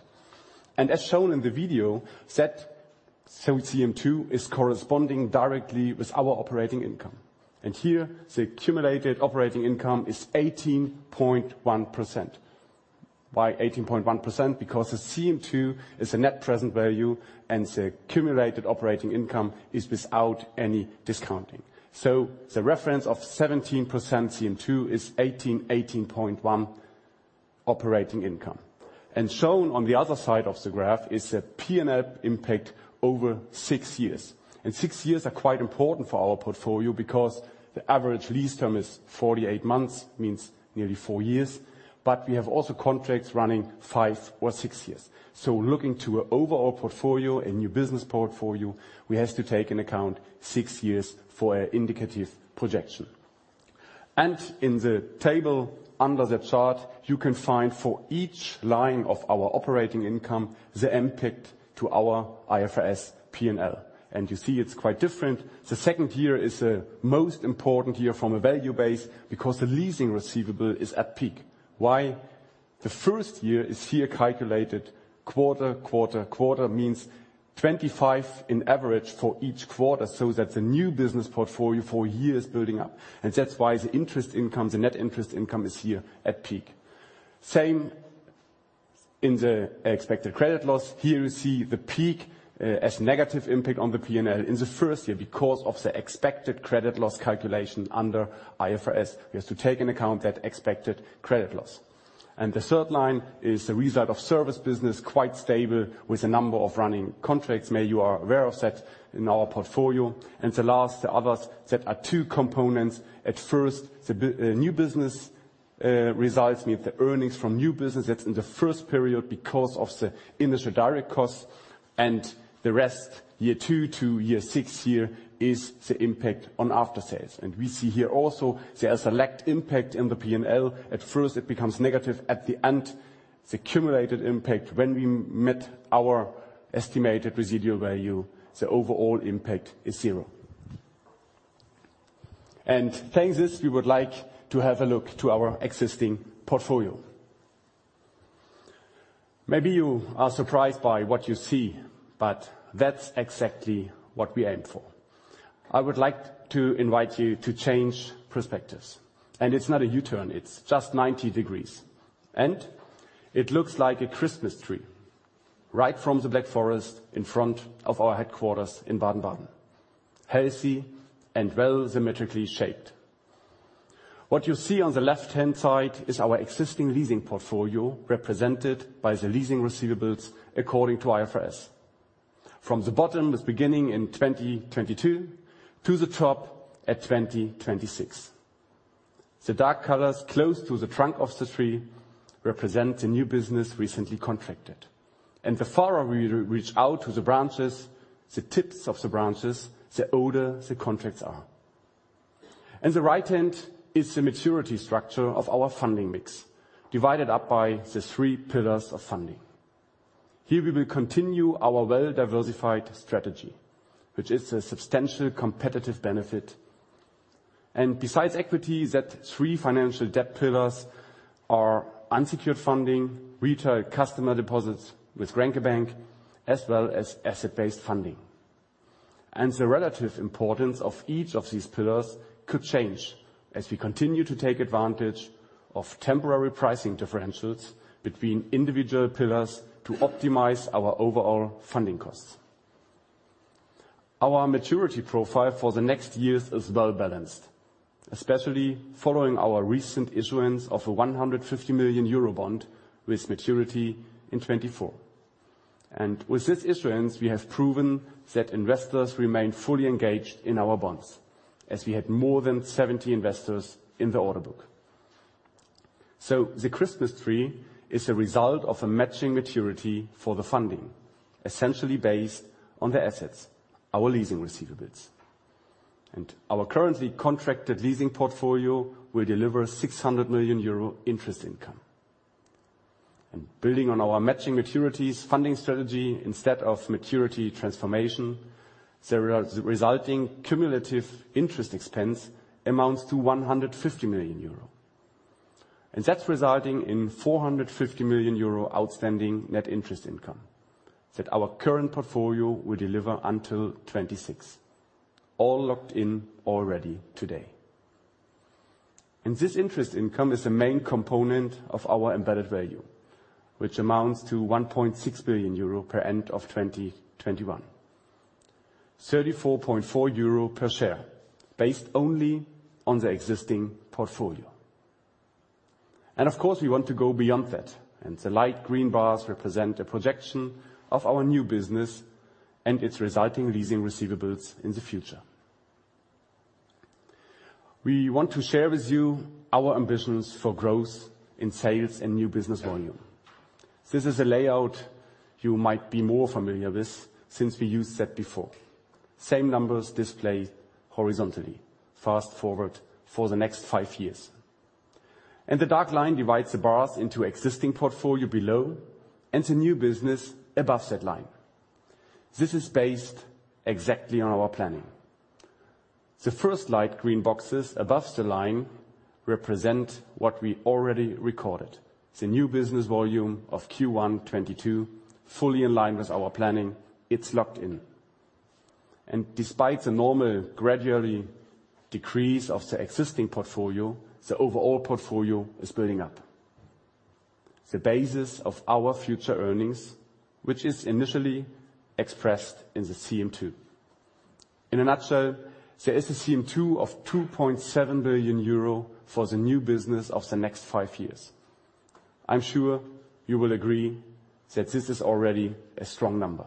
As shown in the video, that CM2 is corresponding directly with our operating income. Here, the accumulated operating income is 18.1%. Why 18.1%? Because the CM2 is the net present value, and the accumulated operating income is without any discounting. The reference of 17% CM2 is 18.1 operating income. Shown on the other side of the graph is the P&L impact over six years. Six years are quite important for our portfolio because the average lease term is 48 months, means nearly four years, but we have also contracts running five or six years. Looking to an overall portfolio, a new business portfolio, we have to take into account six years for an indicative projection. In the table under the chart, you can find for each line of our operating income, the impact to our IFRS P&L. You see it's quite different. The second year is the most important year from a value base because the leasing receivable is at peak. Why? The first year is here calculated quarter, quarter, means 25 on average for each quarter so that the new business portfolio for years building up. That's why the interest income, the net interest income is here at peak. Same in the expected credit loss. Here you see the peak as negative impact on the P&L in the first year because of the expected credit loss calculation under IFRS. We have to take into account that expected credit loss. The third line is the result of service business, quite stable with a number of running contracts. Maybe you are aware of that in our portfolio. The last, the others, that are two components. At first, the new business results means the earnings from new business, that's in the first period because of the initial direct costs and the rest, year two to year six, is the impact on after-sales. We see here also there is a lagged impact in the P&L. At first, it becomes negative. At the end, the cumulative impact when we met our estimated residual value, the overall impact is zero. Thanks to this, we would like to have a look at our existing portfolio. Maybe you are surprised by what you see, but that's exactly what we aim for. I would like to invite you to change perspectives. It's not a U-turn, it's just 90 degrees. It looks like a Christmas tree right from the Black Forest in front of our headquarters in Baden-Baden, healthy and well symmetrically shaped. What you see on the left-hand side is our existing leasing portfolio represented by the leasing receivables according to IFRS. From the bottom, it's beginning in 2022 to the top at 2026. The dark colors close to the trunk of the tree represent the new business recently contracted. The farther we reach out to the branches, the tips of the branches, the older the contracts are. At the right hand is the maturity structure of our funding mix, divided up by the three pillars of funding. Here we will continue our well-diversified strategy, which is a substantial competitive benefit. Besides equity, the three financial debt pillars are unsecured funding, retail customer deposits with Grenke Bank, as well as asset-based funding. The relative importance of each of these pillars could change as we continue to take advantage of temporary pricing differentials between individual pillars to optimize our overall funding costs. Our maturity profile for the next years is well-balanced, especially following our recent issuance of a 150 million euro bond with maturity in 2024. With this issuance, we have proven that investors remain fully engaged in our bonds, as we had more than 70 investors in the order book. The Christmas tree is a result of a matching maturity for the funding, essentially based on the assets, our leasing receivables. Our currently contracted leasing portfolio will deliver 600 million euro interest income. Building on our matching maturities funding strategy instead of maturity transformation, the resulting cumulative interest expense amounts to 150 million euro. That's resulting in 450 million euro outstanding net interest income that our current portfolio will deliver until 2026, all locked in already today. This interest income is a main component of our embedded value, which amounts to 1.6 billion euro at end of 2021. 34.4 euro per share, based only on the existing portfolio. Of course, we want to go beyond that. The light green bars represent a projection of our new business and its resulting leasing receivables in the future. We want to share with you our ambitions for growth in sales and new business volume. This is a layout you might be more familiar with since we used that before. Same numbers display horizontally, Fast Forward for the next five years. The dark line divides the bars into existing portfolio below and the new business above that line. This is based exactly on our planning. The first light green boxes above the line represent what we already recorded, the new business volume of Q1 2022, fully in line with our planning. It's locked in. Despite the normal gradually decrease of the existing portfolio, the overall portfolio is building up. The basis of our future earnings, which is initially expressed in the CM2. In a nutshell, there is a CM2 of 2.7 billion euro for the new business of the next five years. I'm sure you will agree that this is already a strong number.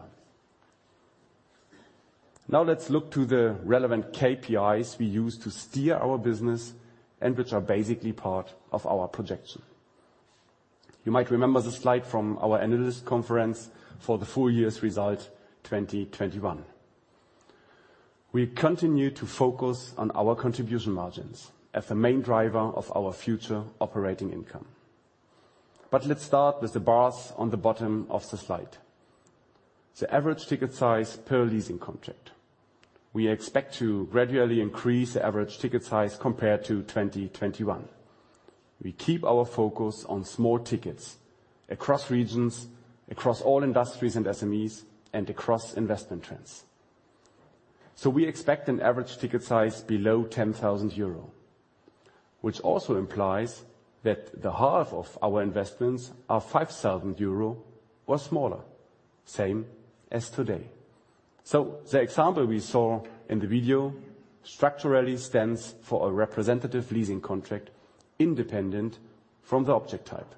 Now let's look to the relevant KPIs we use to steer our business and which are basically part of our projection. You might remember the slide from our analyst conference for the full year's result, 2021. We continue to focus on our contribution margins as the main driver of our future operating income. Let's start with the bars on the bottom of the slide. The average ticket size per leasing contract. We expect to gradually increase the average ticket size compared to 2021. We keep our focus on small tickets across regions, across all industries and SMEs, and across investment trends. We expect an average ticket size below 10,000 euro, which also implies that half of our investments are 5,000 euro or smaller, same as today. The example we saw in the video structurally stands for a representative leasing contract independent from the object type.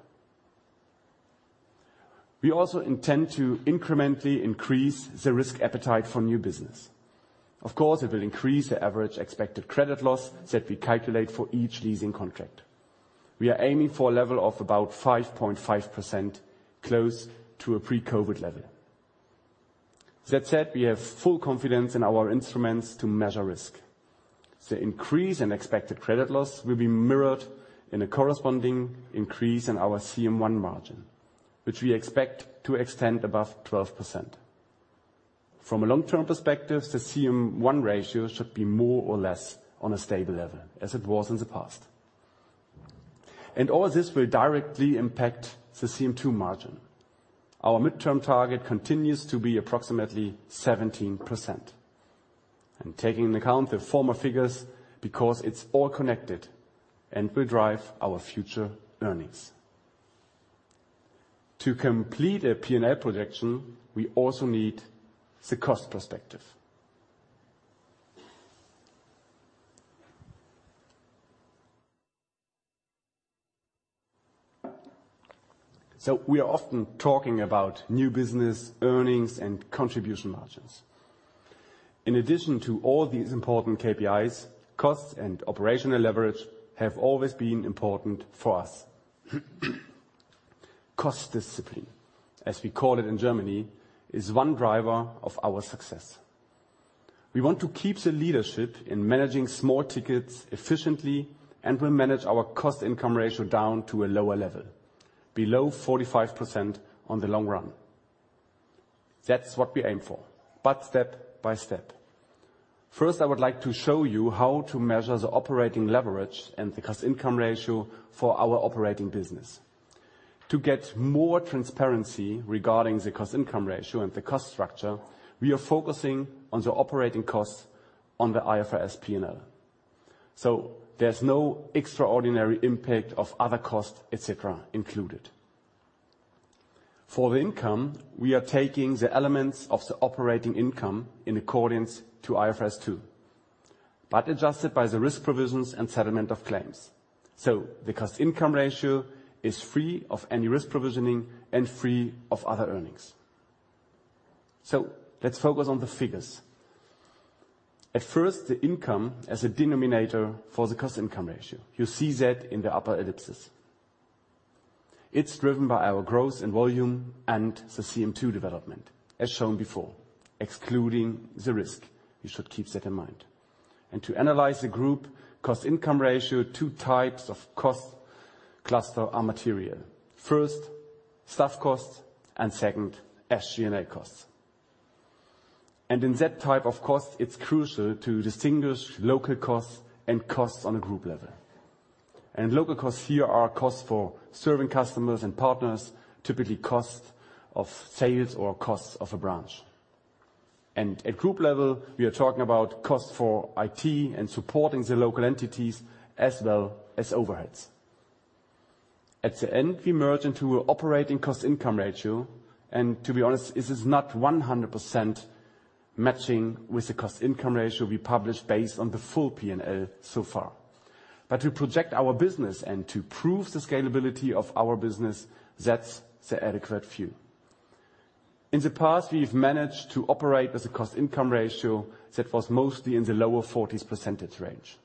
We also intend to incrementally increase the risk appetite for new business. Of course, it will increase the average expected credit loss that we calculate for each leasing contract. We are aiming for a level of about 5.5% close to a pre-COVID level. That said, we have full confidence in our instruments to measure risk. The increase in expected credit loss will be mirrored in a corresponding increase in our CM1 margin, which we expect to extend above 12%. From a long-term perspective, the CM1 ratio should be more or less on a stable level as it was in the past. All this will directly impact the CM2 margin. Our midterm target continues to be approximately 17%. Taking into account the former figures because it's all connected and will drive our future earnings. To complete a P&L projection, we also need the cost perspective. We are often talking about new business earnings and contribution margins. In addition to all these important KPIs, costs and operational leverage have always been important for us. Cost discipline, as we call it in Germany, is one driver of our success. We want to keep the leadership in managing small tickets efficiently and will manage our cost-income ratio down to a lower level, below 45% on the long run. That's what we aim for, but step by step. First, I would like to show you how to measure the operating leverage and the cost-income ratio for our operating business. To get more transparency regarding the cost-income ratio and the cost structure, we are focusing on the operating costs on the IFRS P&L. There's no extraordinary impact of other costs, et cetera, included. For the income, we are taking the elements of the operating income in accordance to IFRS 2, but adjusted by the risk provisions and settlement of claims. The cost-income ratio is free of any risk provisioning and free of other earnings. Let's focus on the figures. At first, the income as a denominator for the cost-income ratio. You see that in the upper ellipses. It's driven by our growth and volume and the CM2 development as shown before, excluding the risk. You should keep that in mind. To analyze the group cost-income ratio, two types of cost cluster are material. First, staff costs, and second, SG&A costs. In that type of cost, it's crucial to distinguish local costs and costs on a group level. Local costs here are costs for serving customers and partners, typically costs of sales or costs of a branch. At group level, we are talking about costs for IT and supporting the local entities as well as overheads. At the end, we merge into operating cost-income ratio. To be honest, this is not 100% matching with the cost-income ratio we published based on the full P&L so far. To project our business and to prove the scalability of our business, that's the adequate view. In the past, we've managed to operate as a cost-income ratio that was mostly in the lower 40s% range.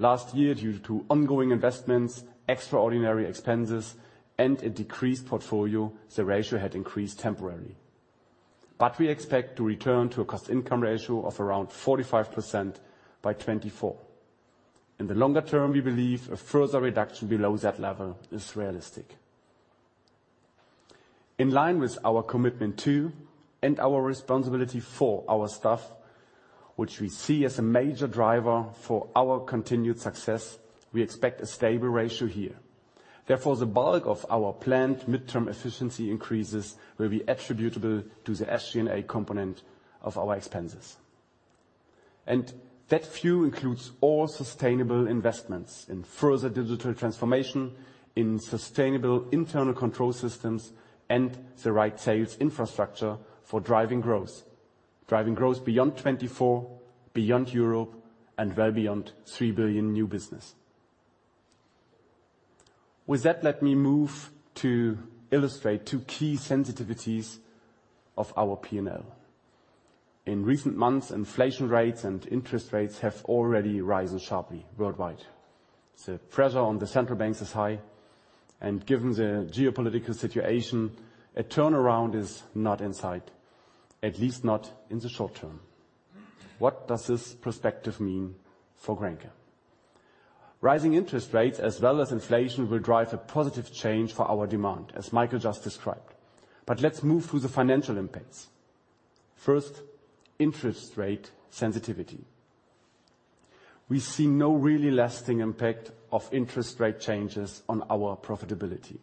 Last year, due to ongoing investments, extraordinary expenses, and a decreased portfolio, the ratio had increased temporarily. We expect to return to a cost-income ratio of around 45% by 2024. In the longer term, we believe a further reduction below that level is realistic. In line with our commitment to, and our responsibility for our staff, which we see as a major driver for our continued success, we expect a stable ratio here. Therefore, the bulk of our planned midterm efficiency increases will be attributable to the SG&A component of our expenses. That view includes all sustainable investments in further digital transformation in sustainable internal control systems and the right sales infrastructure for driving growth. Driving growth beyond 2024, beyond Europe, and well beyond 3 billion new business. With that, let me move to illustrate two key sensitivities of our P&L. In recent months, inflation rates and interest rates have already risen sharply worldwide. The pressure on the central banks is high, and given the geopolitical situation, a turnaround is not in sight, at least not in the short term. What does this perspective mean for Grenke? Rising interest rates as well as inflation will drive a positive change for our demand, as Michael just described. Let's move through the financial impacts. First, interest rate sensitivity. We see no really lasting impact of interest rate changes on our profitability.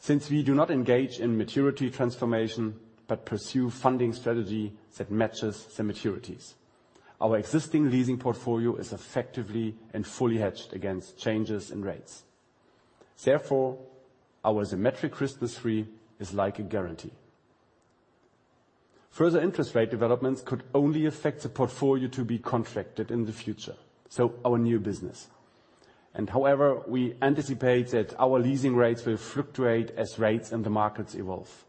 Since we do not engage in maturity transformation, but pursue funding strategy that matches the maturities. Our existing leasing portfolio is effectively and fully hedged against changes in rates. Therefore, our symmetric risk-free is like a guarantee. Further interest rate developments could only affect the portfolio to be contracted in the future, so our new business. However, we anticipate that our leasing rates will fluctuate as rates in the markets evolve,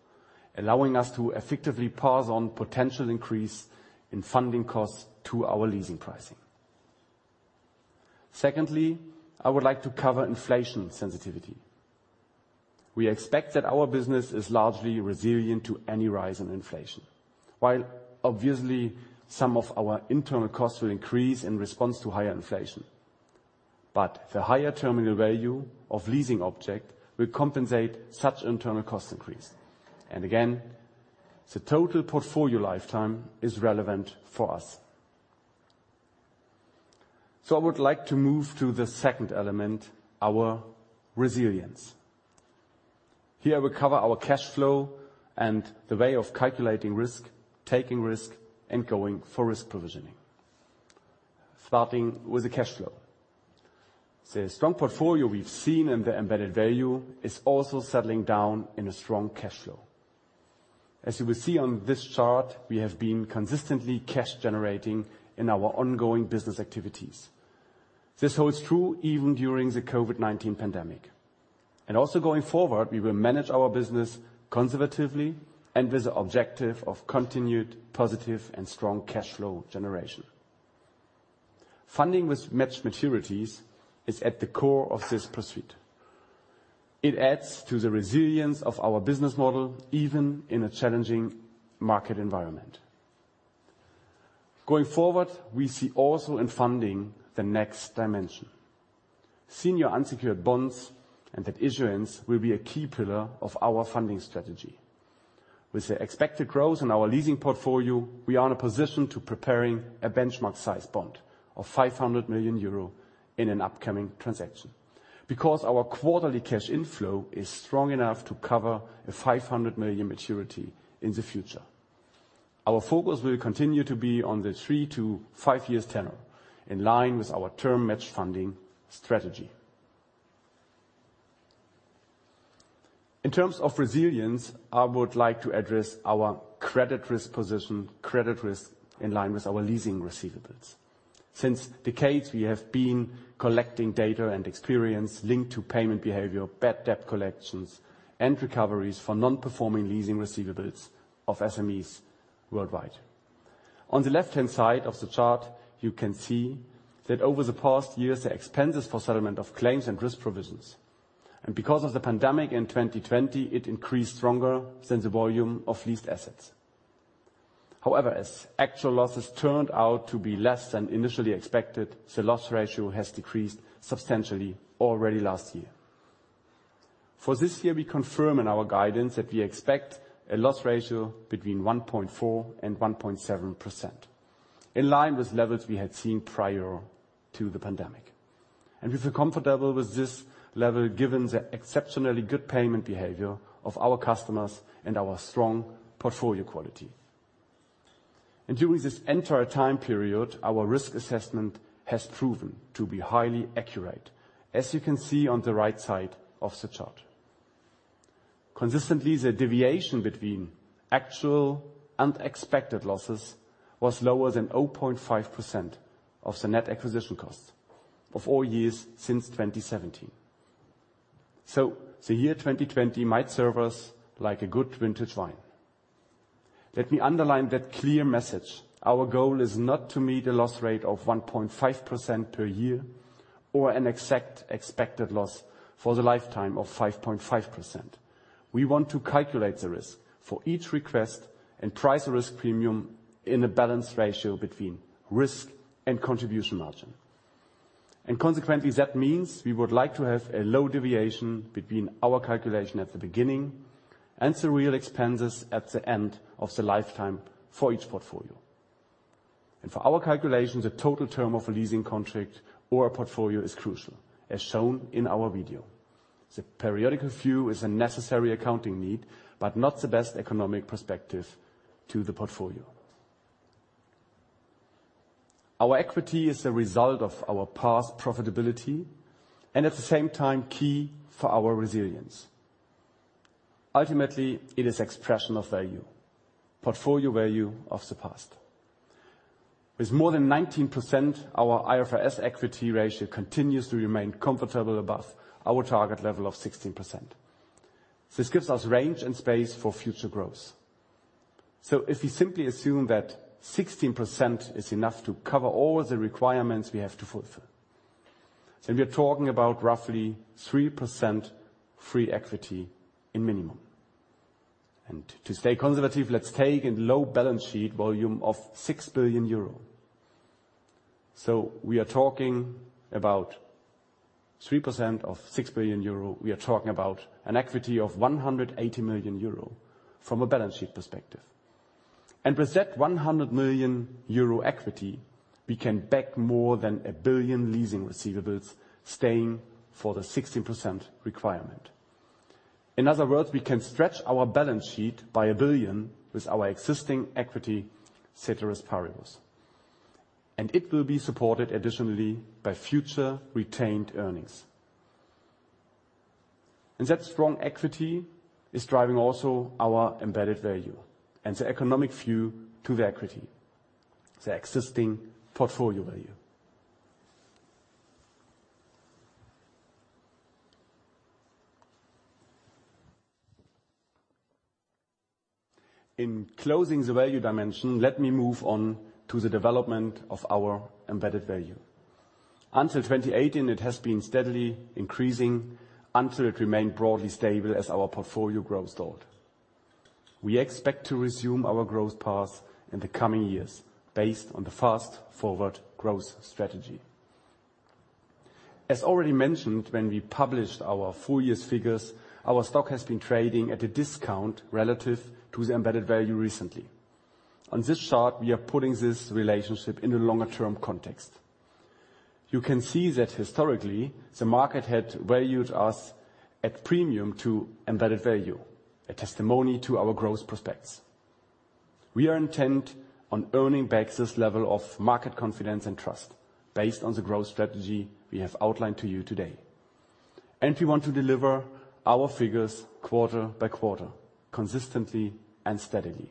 allowing us to effectively pass on potential increase in funding costs to our leasing pricing. Secondly, I would like to cover inflation sensitivity. We expect that our business is largely resilient to any rise in inflation. While obviously, some of our internal costs will increase in response to higher inflation, but the higher terminal value of leasing object will compensate such internal cost increase. Again, the total portfolio lifetime is relevant for us. I would like to move to the second element, our resilience. Here we cover our cash flow and the way of calculating risk, taking risk, and going for risk provisioning. Starting with the cash flow. The strong portfolio we've seen in the embedded value is also settling down in a strong cash flow. As you will see on this chart, we have been consistently cash generating in our ongoing business activities. This holds true even during the COVID-19 pandemic. Also going forward, we will manage our business conservatively and with the objective of continued positive and strong cash flow generation. Funding with matched maturities is at the core of this pursuit. It adds to the resilience of our business model, even in a challenging market environment. Going forward, we see also in funding the next dimension. Senior unsecured bonds and that issuance will be a key pillar of our funding strategy. With the expected growth in our leasing portfolio, we are in a position to preparing a benchmark size bond of 500 million euro in an upcoming transaction. Because our quarterly cash inflow is strong enough to cover a 500 million maturity in the future. Our focus will continue to be on the three-five years tenure, in line with our term match funding strategy. In terms of resilience, I would like to address our credit risk position, credit risk in line with our leasing receivables. Since decades, we have been collecting data and experience linked to payment behavior, bad debt collections, and recoveries for non-performing leasing receivables of SMEs worldwide. On the left-hand side of the chart, you can see that over the past years, the expenses for settlement of claims and risk provisions. Because of the pandemic in 2020, it increased stronger than the volume of leased assets. However, as actual losses turned out to be less than initially expected, the loss ratio has decreased substantially already last year. For this year, we confirm in our guidance that we expect a loss ratio between 1.4% and 1.7%, in line with levels we had seen prior to the pandemic. We feel comfortable with this level given the exceptionally good payment behavior of our customers and our strong portfolio quality. During this entire time period, our risk assessment has proven to be highly accurate, as you can see on the right side of the chart. Consistently, the deviation between actual and expected losses was lower than 0.5% of the net acquisition costs of all years since 2017. The year 2020 might serve us like a good vintage wine. Let me underline that clear message. Our goal is not to meet a loss rate of 1.5% per year. Or an exact expected loss for the lifetime of 5.5%. We want to calculate the risk for each request and price the risk premium in a balanced ratio between risk and contribution margin. Consequently, that means we would like to have a low deviation between our calculation at the beginning and the real expenses at the end of the lifetime for each portfolio. For our calculations, the total term of a leasing contract or a portfolio is crucial, as shown in our video. The periodical view is a necessary accounting need, but not the best economic perspective to the portfolio. Our equity is a result of our past profitability and at the same time key for our resilience. Ultimately, it is expression of value, portfolio value of the past. With more than 19%, our IFRS equity ratio continues to remain comfortable above our target level of 16%. This gives us range and space for future growth. If we simply assume that 16% is enough to cover all the requirements we have to fulfill, then we are talking about roughly 3% free equity in minimum. To stay conservative, let's take a low balance sheet volume of 6 billion euro. We are talking about 3% of 6 billion euro. We are talking about an equity of 180 million euro from a balance sheet perspective. With that 100 million euro equity, we can back more than 1 billion leasing receivables staying for the 16% requirement. In other words, we can stretch our balance sheet by 1 billion with our existing equity, ceteris paribus. It will be supported additionally by future retained earnings. That strong equity is driving also our embedded value and the economic view to the equity, the existing portfolio value. In closing the value dimension, let me move on to the development of our embedded value. Until 2018, it has been steadily increasing until it remained broadly stable as our portfolio grows old. We expect to resume our growth path in the coming years based on the Fast Forward growth strategy. As already mentioned, when we published our full year's figures, our stock has been trading at a discount relative to the embedded value recently. On this chart, we are putting this relationship in a longer-term context. You can see that historically, the market had valued us at a premium to embedded value, a testimony to our growth prospects. We are intent on earning back this level of market confidence and trust based on the growth strategy we have outlined to you today. We want to deliver our figures quarter-by-quarter, consistently and steadily.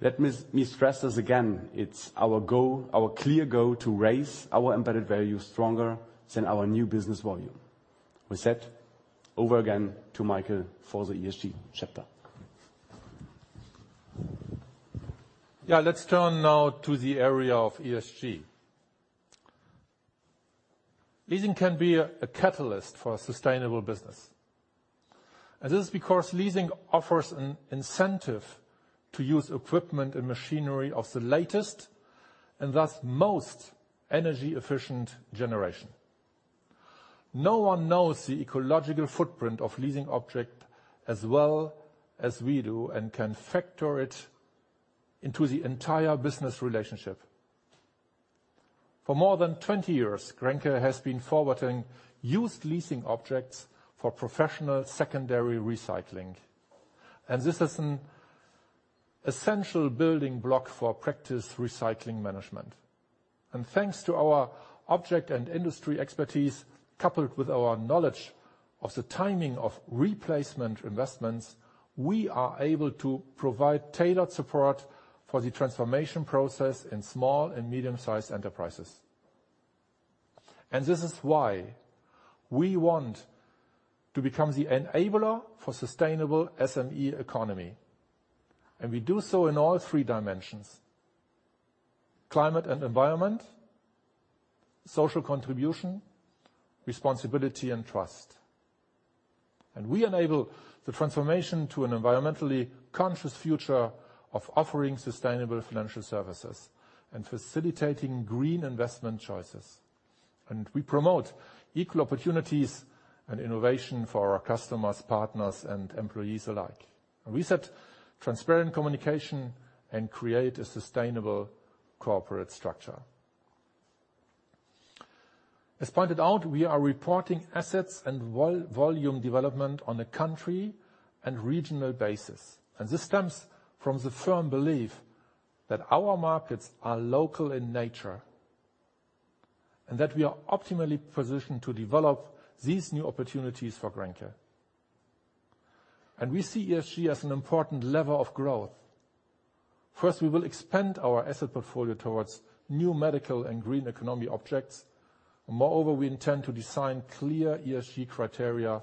Let me stress this again. It's our goal, our clear goal to raise our embedded value stronger than our new business volume. With that, over to Michael again for the ESG chapter. Yeah, let's turn now to the area of ESG. Leasing can be a catalyst for sustainable business. This is because leasing offers an incentive to use equipment and machinery of the latest and thus most energy-efficient generation. No one knows the ecological footprint of leasing object as well as we do and can factor it into the entire business relationship. For more than 20 years, Grenke has been forwarding used leasing objects for professional secondary recycling. This is an essential building block for practice recycling management. Thanks to our object and industry expertise, coupled with our knowledge of the timing of replacement investments, we are able to provide tailored support for the transformation process in small and medium-sized enterprises. This is why we want to become the enabler for sustainable SME economy. We do so in all three dimensions, climate and environment, social contribution, responsibility and trust. We enable the transformation to an environmentally conscious future of offering sustainable financial services and facilitating green investment choices. We promote equal opportunities and innovation for our customers, partners, and employees alike. We set transparent communication and create a sustainable corporate structure. As pointed out, we are reporting assets and volume development on a country and regional basis. This stems from the firm belief that our markets are local in nature and that we are optimally positioned to develop these new opportunities for Grenke. We see ESG as an important lever of growth. First, we will expand our asset portfolio towards new medical and green economy objects. Moreover, we intend to design clear ESG criteria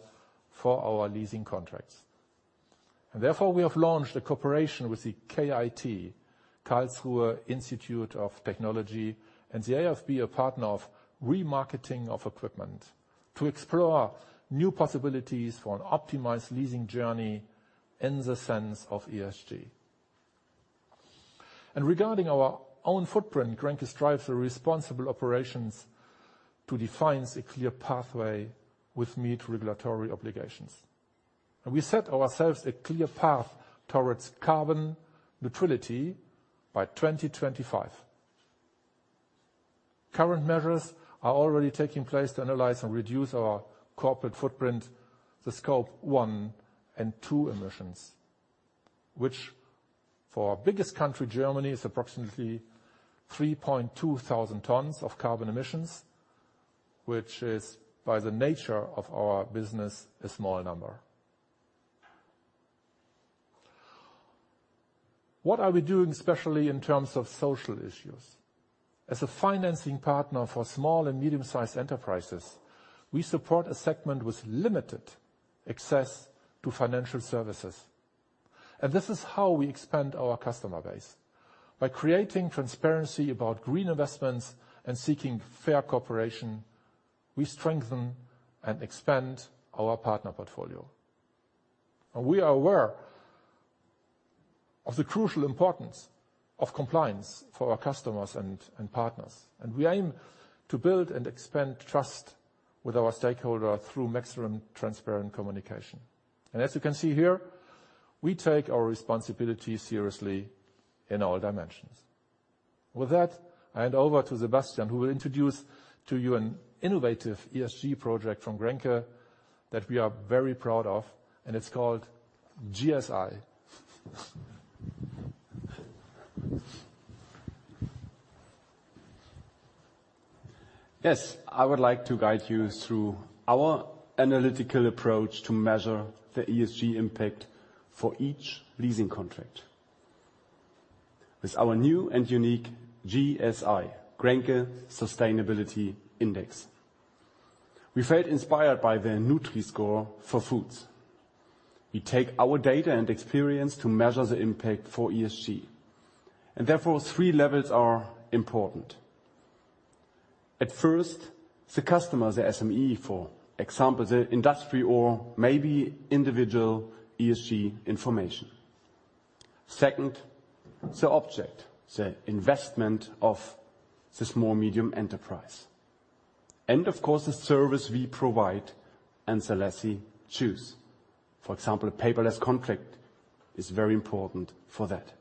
for our leasing contracts. Therefore, we have launched a cooperation with the KIT, Karlsruhe Institute of Technology, and the AfB, a partner of remarketing of equipment, to explore new possibilities for an optimized leasing journey in the sense of ESG. Regarding our own footprint, Grenke strives for responsible operations to define a clear pathway which meet regulatory obligations. We set ourselves a clear path towards carbon neutrality by 2025. Current measures are already taking place to analyze and reduce our corporate footprint, the Scope 1 and 2 emissions, which for our biggest country, Germany, is approximately 3.2 thousand tons of carbon emissions, which is, by the nature of our business, a small number. What are we doing, especially in terms of social issues? As a financing partner for small and medium-sized enterprises, we support a segment with limited access to financial services, and this is how we expand our customer base. By creating transparency about green investments and seeking fair cooperation, we strengthen and expand our partner portfolio. We are aware of the crucial importance of compliance for our customers and partners. We aim to build and expand trust with our stakeholder through maximum transparent communication. As you can see here, we take our responsibilities seriously in all dimensions. With that, I hand over to Sebastian, who will introduce to you an innovative ESG project from Grenke that we are very proud of, and it's called GSI. Yes. I would like to guide you through our analytical approach to measure the ESG impact for each leasing contract. With our new and unique GSI, Grenke Sustainability Index. We felt inspired by the Nutri-Score for foods. We take our data and experience to measure the impact for ESG. Therefore, three levels are important. At first, the customer, the SME, for example, the industry or maybe individual ESG information. Second, the object, the investment of the small medium enterprise. Of course, the service we provide and the lessee choose. For example, a paperless contract is very important for that.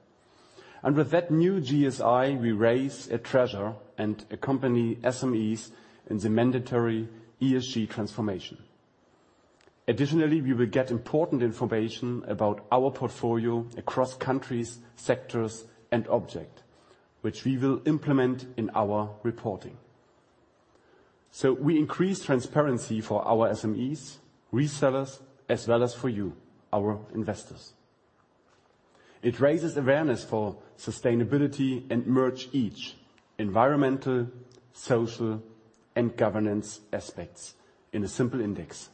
With that new GSI, we raise awareness and accompany SMEs in the mandatory ESG transformation. Additionally, we will get important information about our portfolio across countries, sectors, and object, which we will implement in our reporting. We increase transparency for our SMEs, resellers, as well as for you, our investors. It raises awareness for sustainability and merge each environmental, social, and governance aspects in a simple index.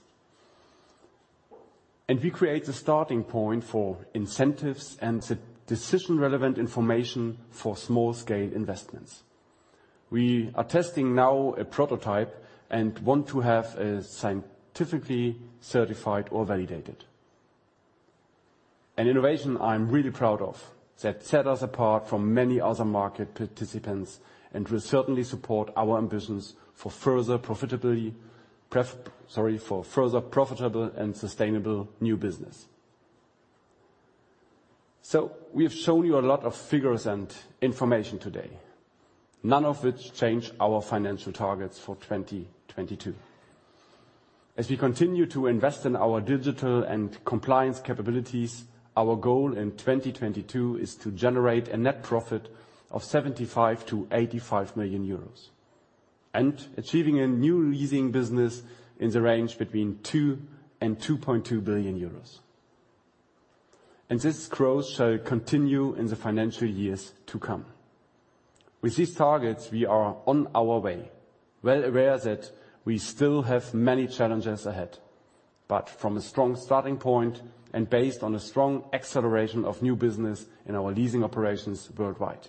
We create the starting point for incentives and the decision-relevant information for small-scale investments. We are testing now a prototype and want to have it scientifically certified or validated. An innovation I'm really proud of that set us apart from many other market participants and will certainly support our ambitions for further profitability, for further profitable and sustainable new business. We have shown you a lot of figures and information today, none of which change our financial targets for 2022. As we continue to invest in our digital and compliance capabilities, our goal in 2022 is to generate a net profit of 75 million-85 million euros, and achieving a new leasing business in the range between 2 billion and 2.2 billion euros. This growth shall continue in the financial years to come. With these targets, we are on our way, well aware that we still have many challenges ahead, but from a strong starting point and based on a strong acceleration of new business in our leasing operations worldwide.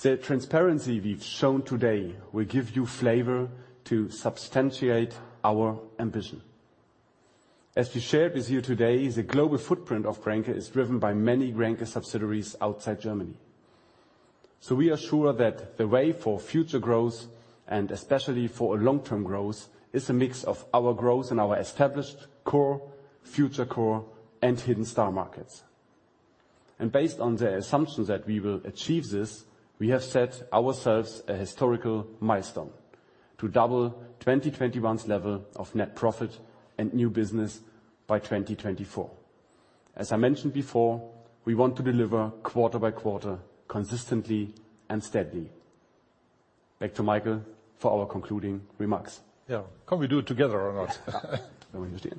The transparency we've shown today will give you flavor to substantiate our ambition. As we shared with you today, the global footprint of Grenke is driven by many Grenke subsidiaries outside Germany. We are sure that the way for future growth, and especially for a long-term growth, is a mix of our growth in our established core, future core, and hidden star markets. Based on the assumption that we will achieve this, we have set ourselves a historical milestone. To double 2021's level of net profit and new business by 2024. As I mentioned before, we want to deliver quarter by quarter, consistently and steadily. Back to Michael for our concluding remarks. Yeah. Can we do it together or not? We do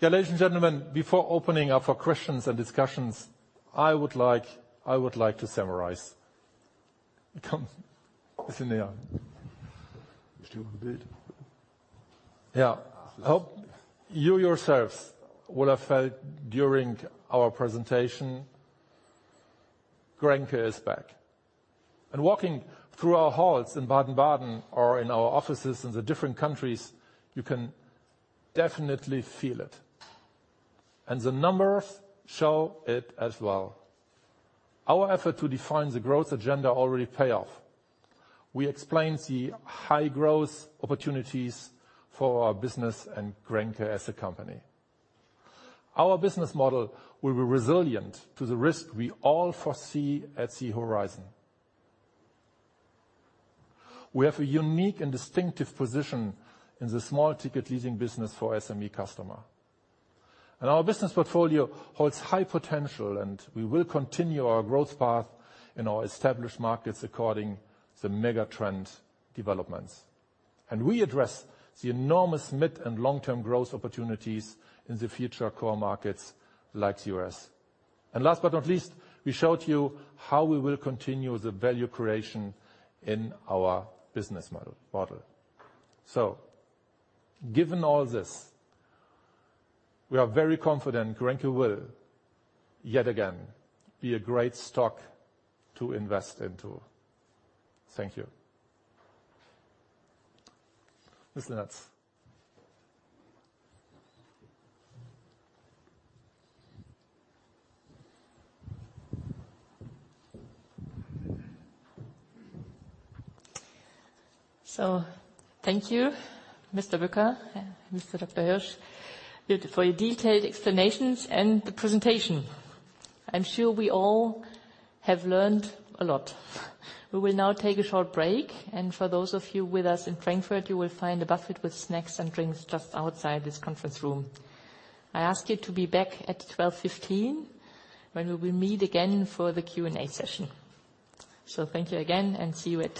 it together. Yeah. Ladies and gentlemen, before opening up for questions and discussions, I would like to summarize. Comment. It's in here. Bist du im Bild? Yeah. Hope you yourselves will have felt during our presentation, Grenke is back. Walking through our halls in Baden-Baden or in our offices in the different countries, you can definitely feel it. The numbers show it as well. Our effort to define the growth agenda already pay off. We explained the high growth opportunities for our business and Grenke as a company. Our business model will be resilient to the risk we all foresee on the horizon. We have a unique and distinctive position in the small-ticket leasing business for SME customer. Our business portfolio holds high potential, and we will continue our growth path in our established markets according to the megatrend developments. We address the enormous mid- and long-term growth opportunities in the future core markets like U.S. Last but not least, we showed you how we will continue the value creation in our business model. Given all this, we are very confident Grenke will yet again be a great stock to invest into. Thank you. Ms. Linnartz. Thank you, Mr. Bücker, Dr. Hirsch, for your detailed explanations and the presentation. I'm sure we all have learned a lot. We will now take a short break, and for those of you with us in Frankfurt, you will find a buffet with snacks and drinks just outside this conference room. I ask you to be back at 12:15 P.M., when we will meet again for the Q&A session. Thank you again and see you at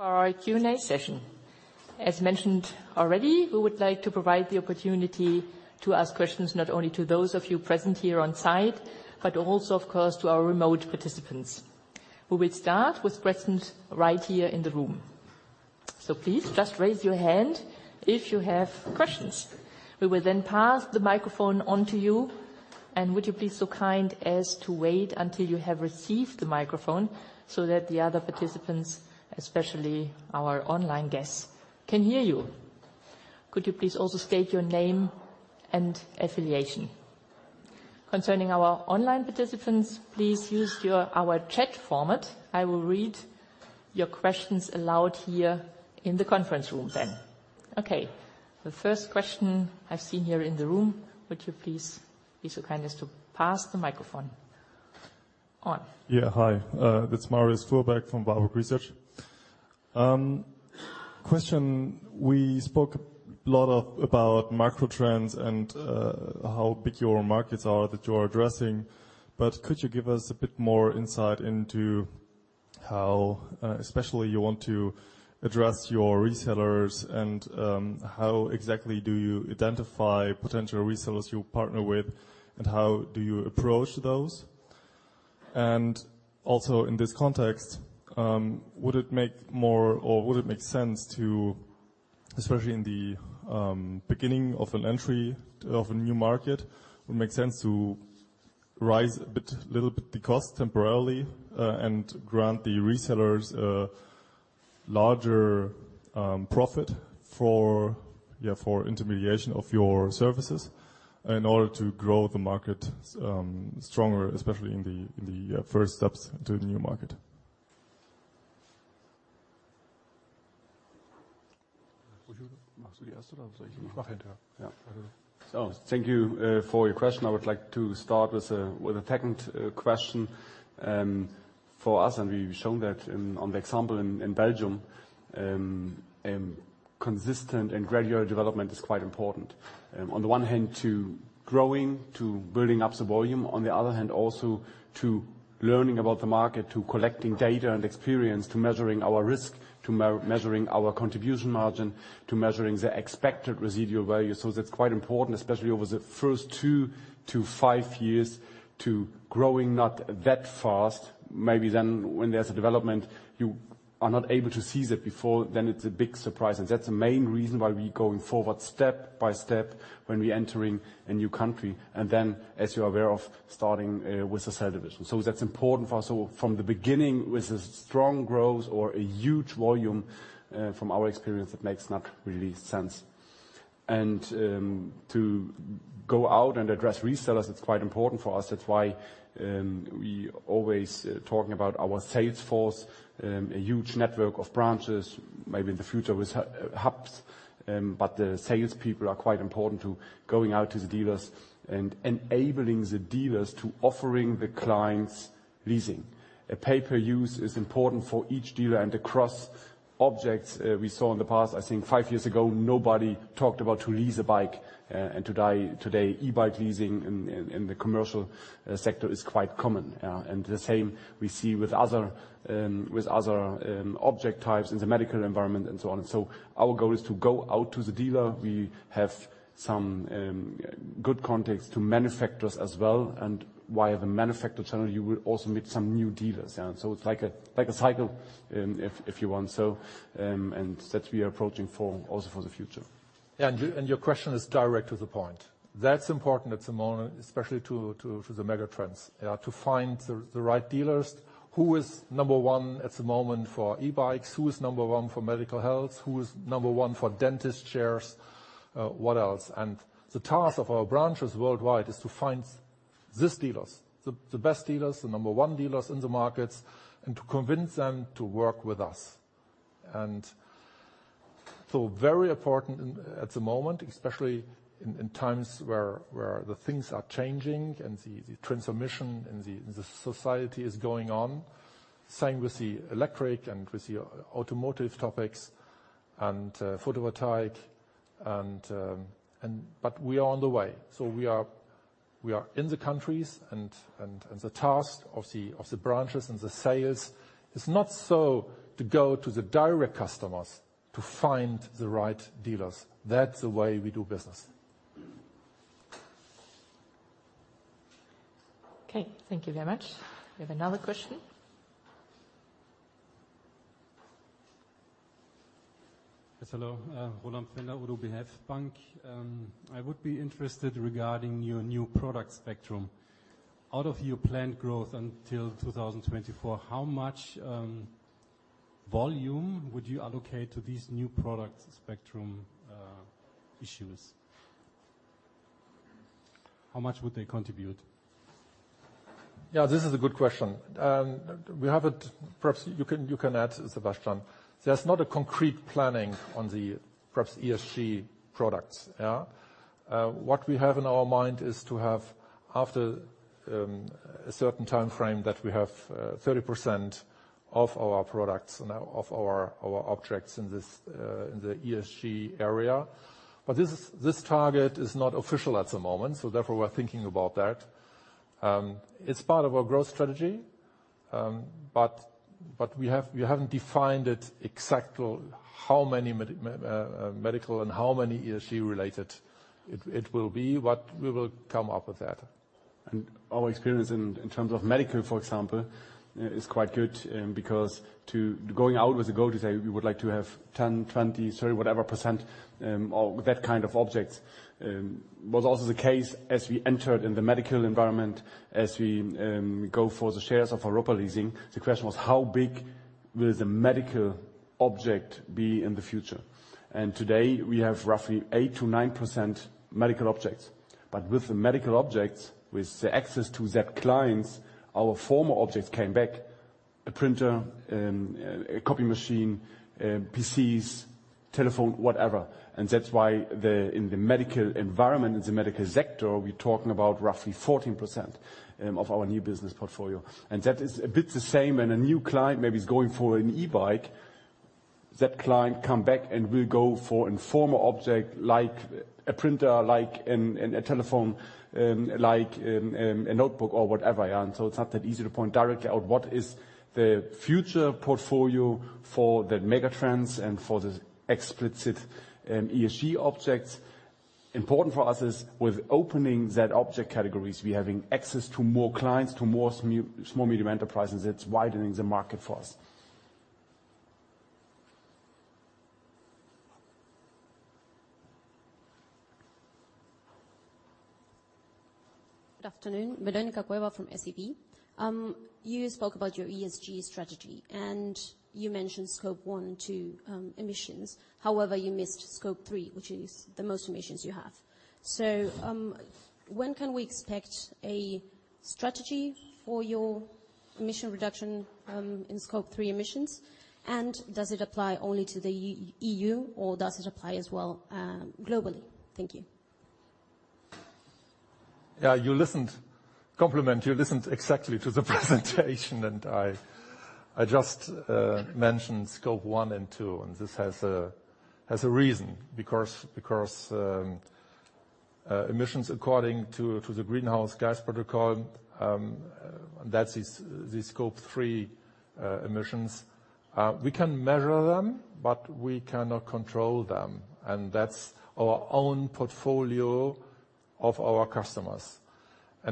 12:15 P.M. 10 minutes. For our Q&A session. As mentioned already, we would like to provide the opportunity to ask questions not only to those of you present here on site, but also, of course, to our remote participants. We will start with present right here in the room. Please just raise your hand if you have questions. We will then pass the microphone on to you. Would you be so kind as to wait until you have received the microphone so that the other participants, especially our online guests, can hear you? Could you please also state your name and affiliation? Concerning our online participants, please use our chat format. I will read your questions aloud here in the conference room then. Okay. The first question I've seen here in the room. Would you please be so kind as to pass the microphone on. Yeah. Hi, it's Marius Fuhrberg from Warburg Research. Question. We spoke a lot about macro trends and how big your markets are that you are addressing, but could you give us a bit more insight into how especially you want to address your resellers and how exactly do you identify potential resellers you partner with, and how do you approach those? Also in this context, would it make sense to, especially in the beginning of an entry of a new market, raise a little bit the cost temporarily and grant the resellers a larger profit for intermediation of your services in order to grow the market stronger, especially in the first steps to the new market? Thank you for your question. I would like to start with the second question for us, and we've shown that on the example in Belgium, consistent and gradual development is quite important. On the one hand, to growing, to building up the volume. On the other hand, also to learning about the market, to collecting data and experience, to measuring our risk, to measuring our contribution margin, to measuring the expected residual value. That's quite important, especially over the first two-five years, to growing not that fast. Maybe then when there's a development, you are not able to seize it before then, it's a big surprise. That's the main reason why we're going forward step by step when we're entering a new country, and then, as you're aware of, starting with the sales division. That's important for us. From the beginning, with a strong growth or a huge volume, from our experience, it makes not really sense. To go out and address resellers, it's quite important for us. That's why we always talking about our sales force, a huge network of branches, maybe in the future with hubs. But the sales people are quite important to going out to the dealers and enabling the dealers to offering the clients leasing. A pay-per-use is important for each dealer and across objects. We saw in the past, I think five years ago, nobody talked about to lease a bike. And today, e-bike leasing in the commercial sector is quite common. And the same we see with other object types in the medical environment and so on. Our goal is to go out to the dealer. We have some good contacts to manufacturers as well. Via the manufacturer channel, you will also meet some new dealers. It's like a cycle, if you want so, and that we are approaching also for the future. Yeah. Your question is direct to the point. That's important at the moment, especially for the mega trends to find the right dealers. Who is number one at the moment for e-bikes? Who is number one for medical health? Who is number one for dentist chairs? What else? The task of our branches worldwide is to find the dealers, the best dealers, the number one dealers in the markets, and to convince them to work with us. Very important at the moment, especially in times where the things are changing and the transformation in the society is going on, same with the electric and with the automotive topics and, photovoltaic and, but we are on the way. We are in the countries and the task of the branches and the sales is not so to go to the direct customers to find the right dealers. That's the way we do business. Okay. Thank you very much. We have another question. Yes. Hello. Roland Pfänder, Oddo BHF Bank. I would be interested regarding your new product spectrum. Out of your planned growth until 2024, how much volume would you allocate to these new product spectrum issues? How much would they contribute? Yeah, this is a good question. Perhaps you can add, Sebastian. There's not a concrete planning on the perhaps ESG products. What we have in our mind is to have, after a certain time frame, that we have 30% of our products and of our objects in this in the ESG area. This target is not official at the moment, so therefore we're thinking about that. It's part of our growth strategy, but we have, we haven't defined it exactly how many medical and how many ESG related it will be, but we will come up with that. Our experience in terms of medical for example, is quite good, because going out with the goal to say we would like to have 10, 20, 30, whatever percent or that kind of objects was also the case as we entered in the medical environment. As we go for the shares of Europa Leasing, the question was how big will the medical object be in the future. Today we have roughly 8%-9% medical objects. With the medical objects, with the access to those clients, our former objects came back, a printer, a copy machine, PCs, telephone, whatever. That's why in the medical environment, in the medical sector, we're talking about roughly 14% of our new business portfolio. That is a bit the same. A new client maybe is going for an e-bike, that client come back and will go for a former object like a printer, like a telephone, like a notebook or whatever, yeah. It's not that easy to point directly out what is the future portfolio for the mega trends and for the explicit ESG objects. Important for us is with opening that object categories, we're having access to more clients, to more small medium enterprises. It's widening the market for us. Good afternoon. Verónica Cueva from SEB. You spoke about your ESG strategy, and you mentioned Scope 1 and 2 emissions. However, you missed Scope 3, which is the most emissions you have. When can we expect a stategy for your emission reduction in Scope 3 emissions? And does it apply only to the E.U., or does it apply as well, globally? Thank you. Yeah. Comment, you listened exactly to the presentation and I just mentioned Scope 1 and 2, and this has a reason because emissions according to the Greenhouse Gas Protocol, that is the Scope 3 emissions. We can measure them, but we cannot control them, and that's our own portfolio of our customers.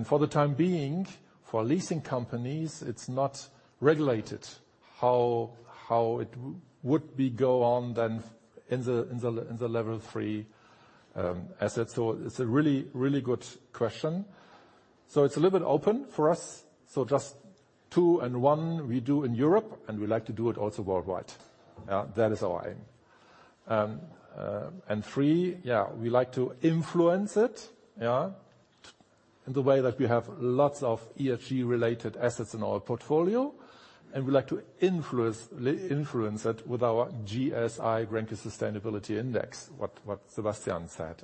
For the time being, for leasing companies, it's not regulated how it would go on then in the Scope 3 asset. It's a really good question. It's a little bit open for us. Just two and one we do in Europe, and we like to do it also worldwide. Yeah. That is our aim. We like to influence it, yeah, in the way that we have lots of ESG related assets in our portfolio, and we like to influence it with our GSI, Grenke Sustainability Index, what Sebastian said.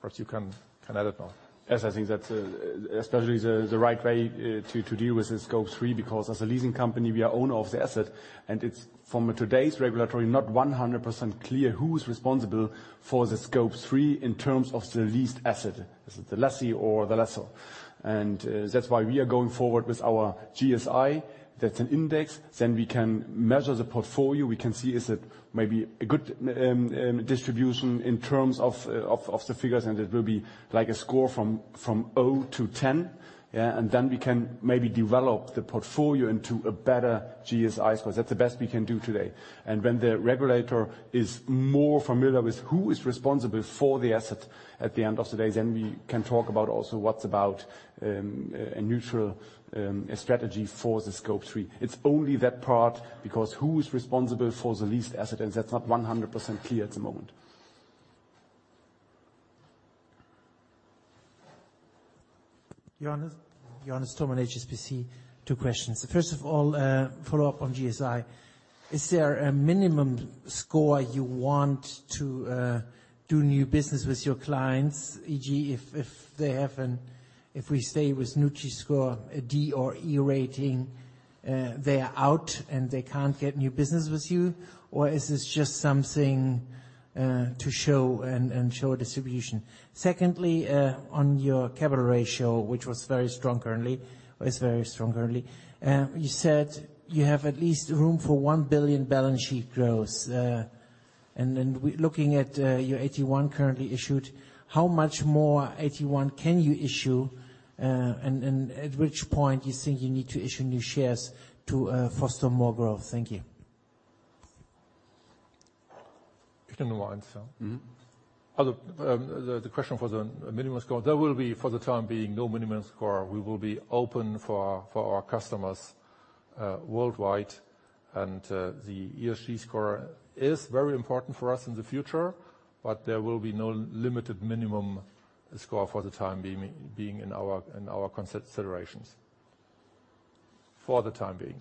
Perhaps you can add it now. Yes, I think that's especially the right way to deal with the Scope 3 because as a leasing company we are owner of the asset and it's from today's regulatory not 100% clear who is responsible for the Scope 3 in terms of the leased asset. Is it the lessee or the lessor? That's why we are going forward with our GSI. That's an index. Then we can measure the portfolio. We can see, is it maybe a good distribution in terms of the figures, and it will be like a score from zero to 10. Yeah. Then we can maybe develop the portfolio into a better GSI score. That's the best we can do today. When the regulator is more familiar with who is responsible for the asset at the end of the day, then we can talk about also what about a neutral strategy for the Scope 3. It's only that part because who is responsible for the leased asset, and that's not 100% clear at the moment. Johannes? Johannes Thormann at HSBC. Two questions. First of all, follow up on GSI. Is there a minimum score you want to do new business with your clients? E.g., if we stay with Nutri-Score a D or E rating, they are out, and they can't get new business with you, or is this just something to show and show distribution? Secondly, on your capital ratio, which was very strong currently. You said you have at least room for 1 billion balance sheet growth. Looking at your AT1 currently issued, how much more AT1 can you issue? At which point you think you need to issue new shares to foster more growth? Thank you. If you don't mind. Mm-hmm. The question for the minimum score, there will be, for the time being, no minimum score. We will be open for our customers worldwide and the ESG score is very important for us in the future, but there will be no limited minimum score for the time being in our considerations. For the time being.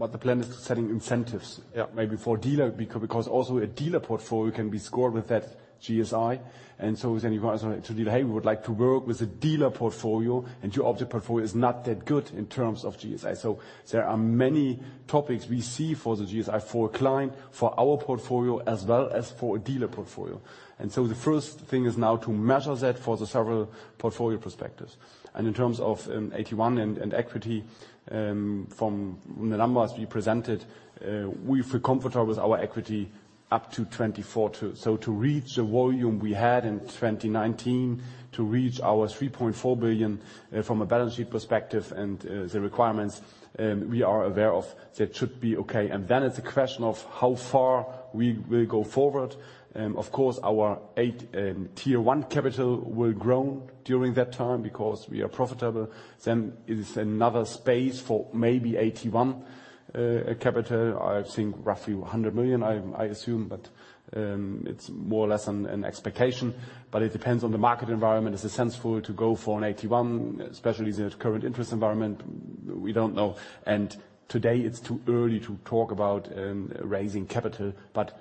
The plan is to setting incentives. Yeah. Maybe for dealer, because also a dealer portfolio can be scored with that GSI. As an advisor to dealer, "Hey, we would like to work with the dealer portfolio, and your object portfolio is not that good in terms of GSI." There are many topics we see for the GSI, for a client, for our portfolio, as well as for a dealer portfolio. The first thing is now to measure that for the several portfolio perspectives. In terms of 8.1 and equity, from the numbers we presented, we feel comfortable with our equity up to 2024 too. To reach the volume we had in 2019, to reach our 3.4 billion, from a balance sheet perspective and the requirements we are aware of, that should be okay. It's a question of how far we will go forward. Of course, our AT1 and Tier 1 capital will grow during that time because we are profitable. It is another space for maybe AT1 capital. I think roughly 100 million, I assume, but it's more or less an expectation. It depends on the market environment. Is it sensible to go for an AT1, especially in the current interest environment? We don't know. Today it's too early to talk about raising capital, but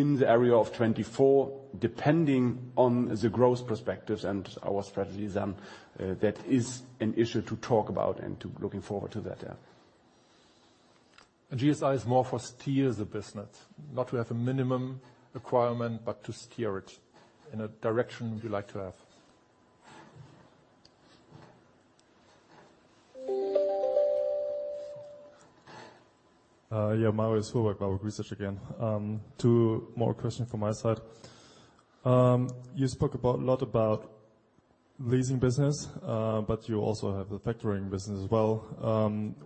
in the area of 2024, depending on the growth perspectives and our strategies, that is an issue to talk about and to look forward to that. GSI is more to steer the business, not to have a minimum requirement, but to steer it in a direction we like to have. Yeah, Marius Fuhrberg with Research again. Two more questions from my side. You spoke about a lot about leasing business, but you also have the factoring business as well.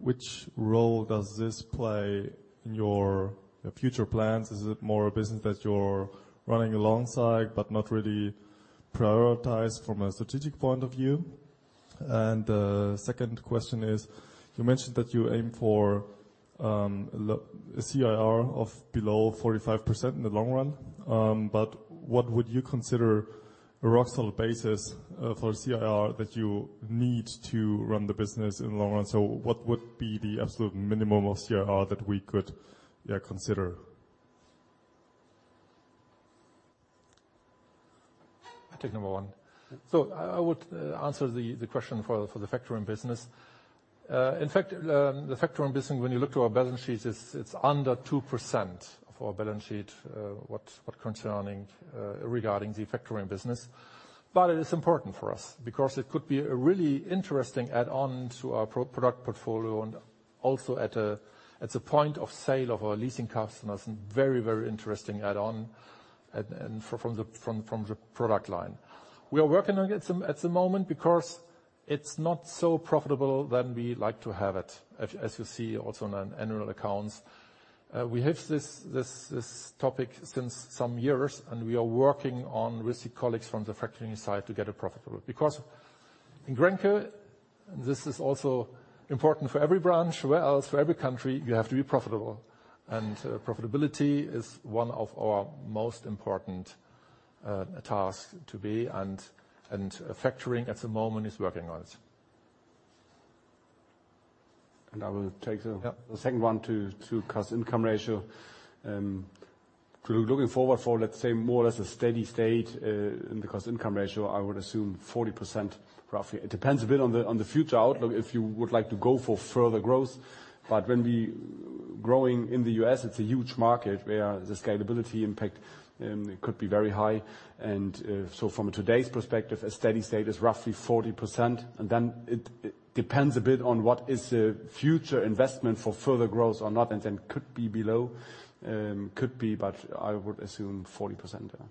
Which role does this play in your future plans? Is it more a business that you're running alongside but not really prioritized from a strategic point of view? Second question is, you mentioned that you aim for a CIR of below 45% in the long run. But what would you consider a rock-solid basis for CIR that you need to run the business in the long run? What would be the absolute minimum of CIR that we could consider? I take number one. I would answer the question for the factoring business. In fact, the factoring business, when you look to our balance sheets, it's under 2% of our balance sheet, what concerning regarding the factoring business. It is important for us because it could be a really interesting add-on to our product portfolio and also at a point of sale of our leasing customers, and very interesting add-on and from the product line. We are working on it at the moment because it's not so profitable than we like to have it, as you see also in an annual accounts. We have this topic since some years, and we are working on with the colleagues from the factoring side to get it profitable. Because in Grenke, this is also important for every branch, where else for every country you have to be profitable. Profitability is one of our most important task to be, and factoring at the moment is working on it. I will take the. Yeah. The second one to cost-income ratio. Looking forward for, let's say, more or less a steady state in the cost-income ratio, I would assume 40% roughly. It depends a bit on the future outlook if you would like to go for further growth. But when we growing in the U.S., it's a huge market where the scalability impact could be very high. So from today's perspective, a steady state is roughly 40%, and then it depends a bit on what is the future investment for further growth or not, and then could be below. Could be, but I would assume 40%, yeah.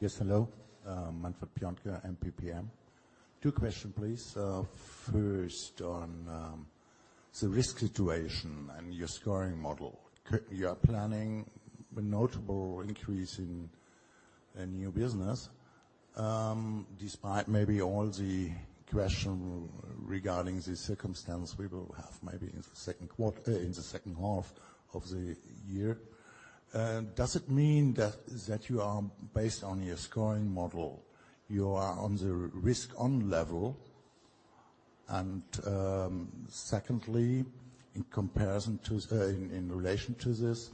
Yes, hello. Manfred Piontke, MPPM. Two question, please. First on, The risk situation and your scoring model. See, you are planning a notable increase in new business, despite maybe all the question regarding the circumstance we will have maybe in the second half of the year. Does it mean that, based on your scoring model, you are on the risk on level? Secondly, in relation to this,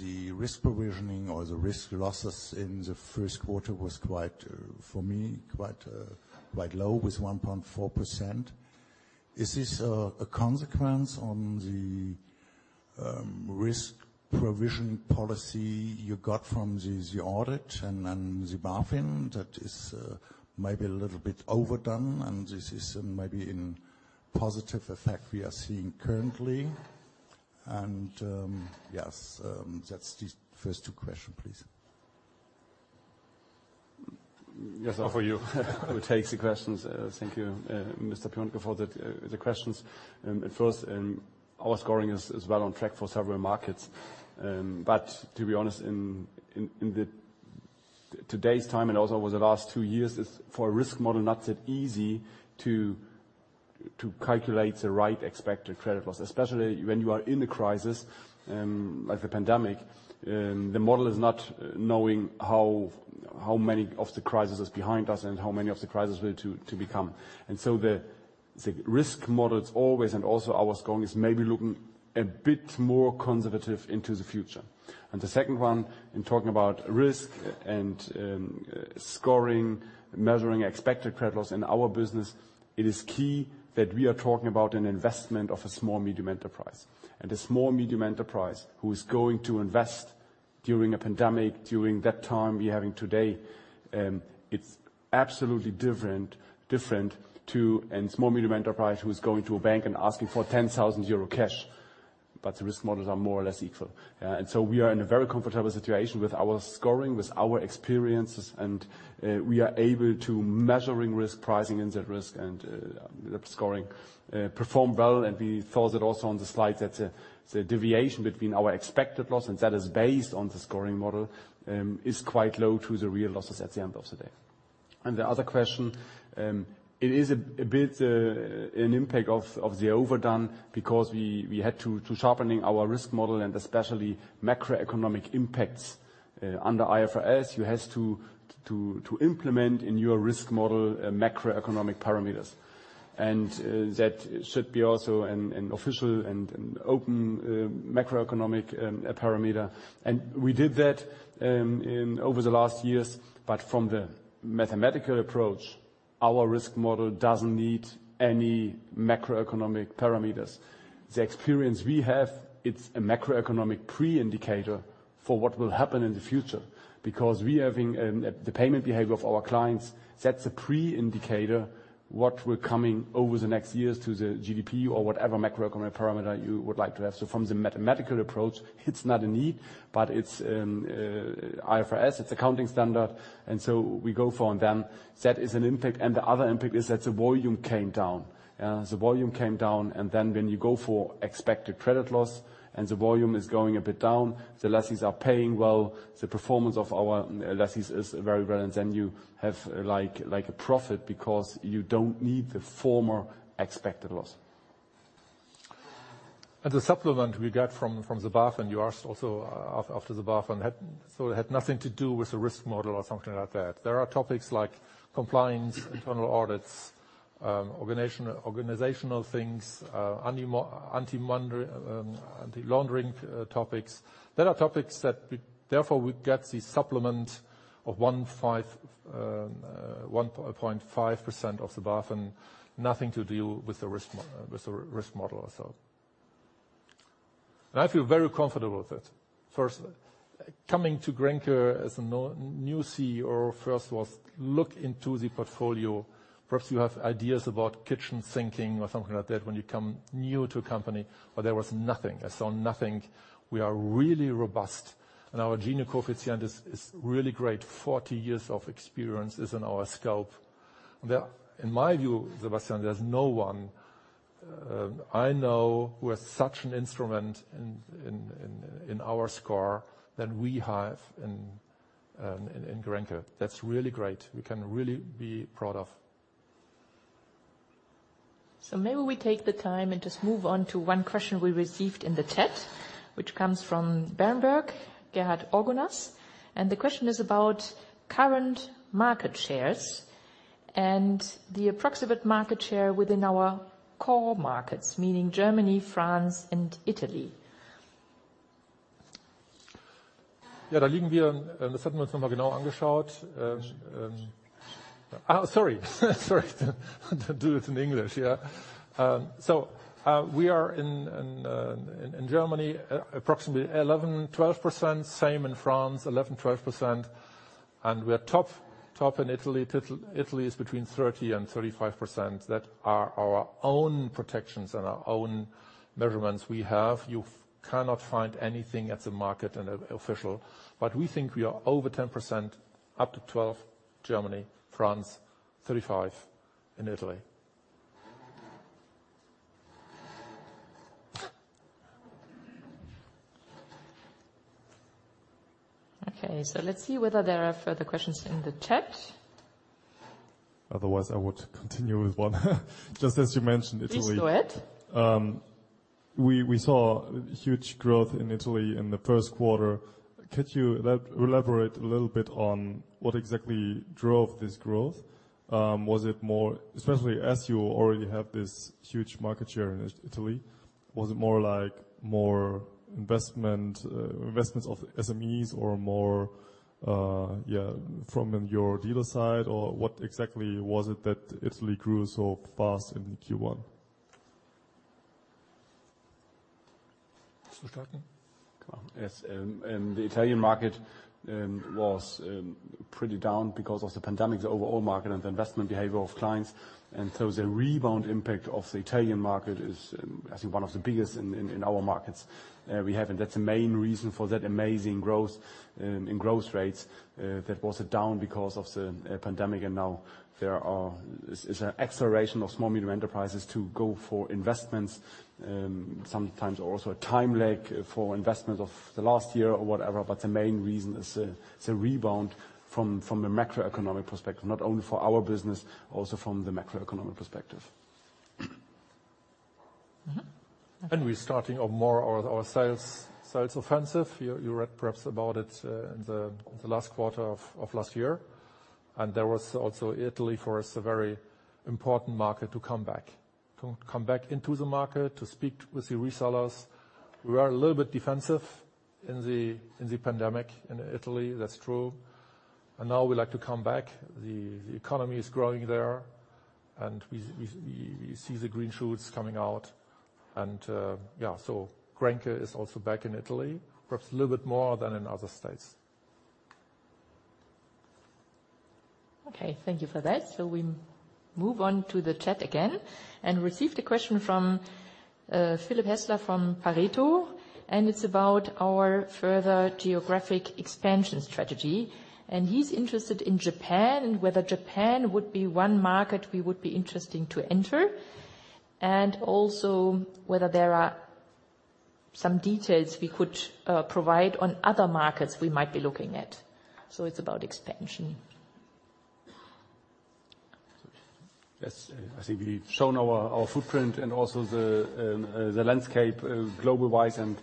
the risk provisioning or the risk losses in the first quarter was quite, for me, quite low with 1.4%. Is this a consequence on the risk provision policy you got from the audit and the BaFin that is maybe a little bit overdone, and this is maybe the positive effect we are seeing currently? Yes, that's the first two questions, please. Yes. Over to you who takes the questions. Thank you, Mr. Piontke, for the questions. At first, our scoring is well on track for several markets. But to be honest, in today's time and also over the last two years, it's for a risk model not that easy to calculate the right expected credit loss. Especially when you are in a crisis, like the pandemic, the model is not knowing how many of the crisis is behind us and how many of the crisis will to become. The risk model is always, and also our scoring is maybe looking a bit more conservative into the future. The second one, in talking about risk and scoring, measuring expected credit loss in our business, it is key that we are talking about an investment of a small medium enterprise. A small medium enterprise who is going to invest during a pandemic, during that time we're having today, it's absolutely different to a small medium enterprise who's going to a bank and asking for 10,000 euro cash. The risk models are more or less equal. We are in a very comfortable situation with our scoring, with our experiences, and we are able to measuring risk, pricing in that risk and the scoring perform well. We thought that also on the slide that the deviation between our expected loss, and that is based on the scoring model, is quite low to the real losses at the end of the day. The other question, it is a bit an impact of the overdone because we had to sharpen our risk model and especially macroeconomic impacts. Under IFRS, you have to implement in your risk model macroeconomic parameters. That should be also an official and open macroeconomic parameter. We did that over the last years. From the mathematical approach, our risk model doesn't need any macroeconomic parameters. The experience we have, it's a macroeconomic pre-indicator for what will happen in the future because we are having the payment behavior of our clients, that's a pre-indicator what will come over the next years to the GDP or whatever macroeconomic parameter you would like to have. From the mathematical approach, it's not a need, but it's IFRS, it's accounting standard, and we go for. Then that is an impact. The other impact is that the volume came down, and then when you go for expected credit loss and the volume is going a bit down, the lessees are paying well, the performance of our lessees is very well, and then you have like a profit because you don't need the former expected loss. The supplement we got from the BaFin. You asked also after the BaFin. So it had nothing to do with the risk model or something like that. There are topics like compliance, internal audits, organizational things, anti-money laundering topics. There are topics that therefore we get the supplement of 1.5% of the BaFin. Nothing to do with the risk model itself. I feel very comfortable with it. First, coming to Grenke as a new CEO, first was look into the portfolio. Perhaps you have ideas about kitchen sinking or something like that when you come new to a company, but there was nothing. I saw nothing. We are really robust, and our Gini coefficient is really great. Forty years of experience is in our scope. In my view, Sebastian, there's no one I know who has such an instrument in our score than we have in Grenke. That's really great. We can really be proud of. Maybe we take the time and just move on to one question we received in the chat, which comes from Berenberg, Gerhard Orgonas. The question is about current market shares and the approximate market share within our core markets, meaning Germany, France and Italy. Yeah. We are in Germany approximately 11%-12%. Same in France, 11%-12%. We are top in Italy. Italy is between 30%-35%. Those are our own projections and our own measurements we have. You cannot find anything in the market that's official. We think we are over 10%, up to 12%. Germany. France, 35. In Italy. Okay, let's see whether there are further questions in the chat. Otherwise, I would continue with one. Just as you mentioned Italy. Please do it. We saw huge growth in Italy in the first quarter. Could you elaborate a little bit on what exactly drove this growth? Especially as you already have this huge market share in Italy, was it more like investments of SMEs or more, yeah, from your dealer side? Or what exactly was it that Italy grew so fast in Q1? Should I start now? Come on. Yes. The Italian market was pretty down because of the pandemic, the overall market and the investment behavior of clients. The rebound impact of the Italian market is, I think, one of the biggest in our markets we have. That's the main reason for that amazing growth in growth rates that was down because of the pandemic. Now there is an acceleration of small medium enterprises to go for investments, sometimes also a time lag for investment of the last year or whatever. But the main reason is the rebound from a macroeconomic perspective, not only for our business, also from the macroeconomic perspective. Mm-hmm. We're starting up more our sales offensive. You read perhaps about it in the last quarter of last year. There was also Italy for us, a very important market to come back. To come back into the market, to speak with the resellers. We are a little bit defensive in the pandemic in Italy. That's true. Now we like to come back. The economy is growing there, and we see the green shoots coming out. Grenke is also back in Italy, perhaps a little bit more than in other states. Okay. Thank you for that. We move on to the chat again and received a question from Philipp Hässler from Pareto Securities, and it's about our further geographic expansion strategy. He's interested in Japan and whether Japan would be one market we would be interesting to enter, and also whether there are some details we could provide on other markets we might be looking at. It's about expansion. Yes. I think we've shown our footprint and also the landscape global-wise and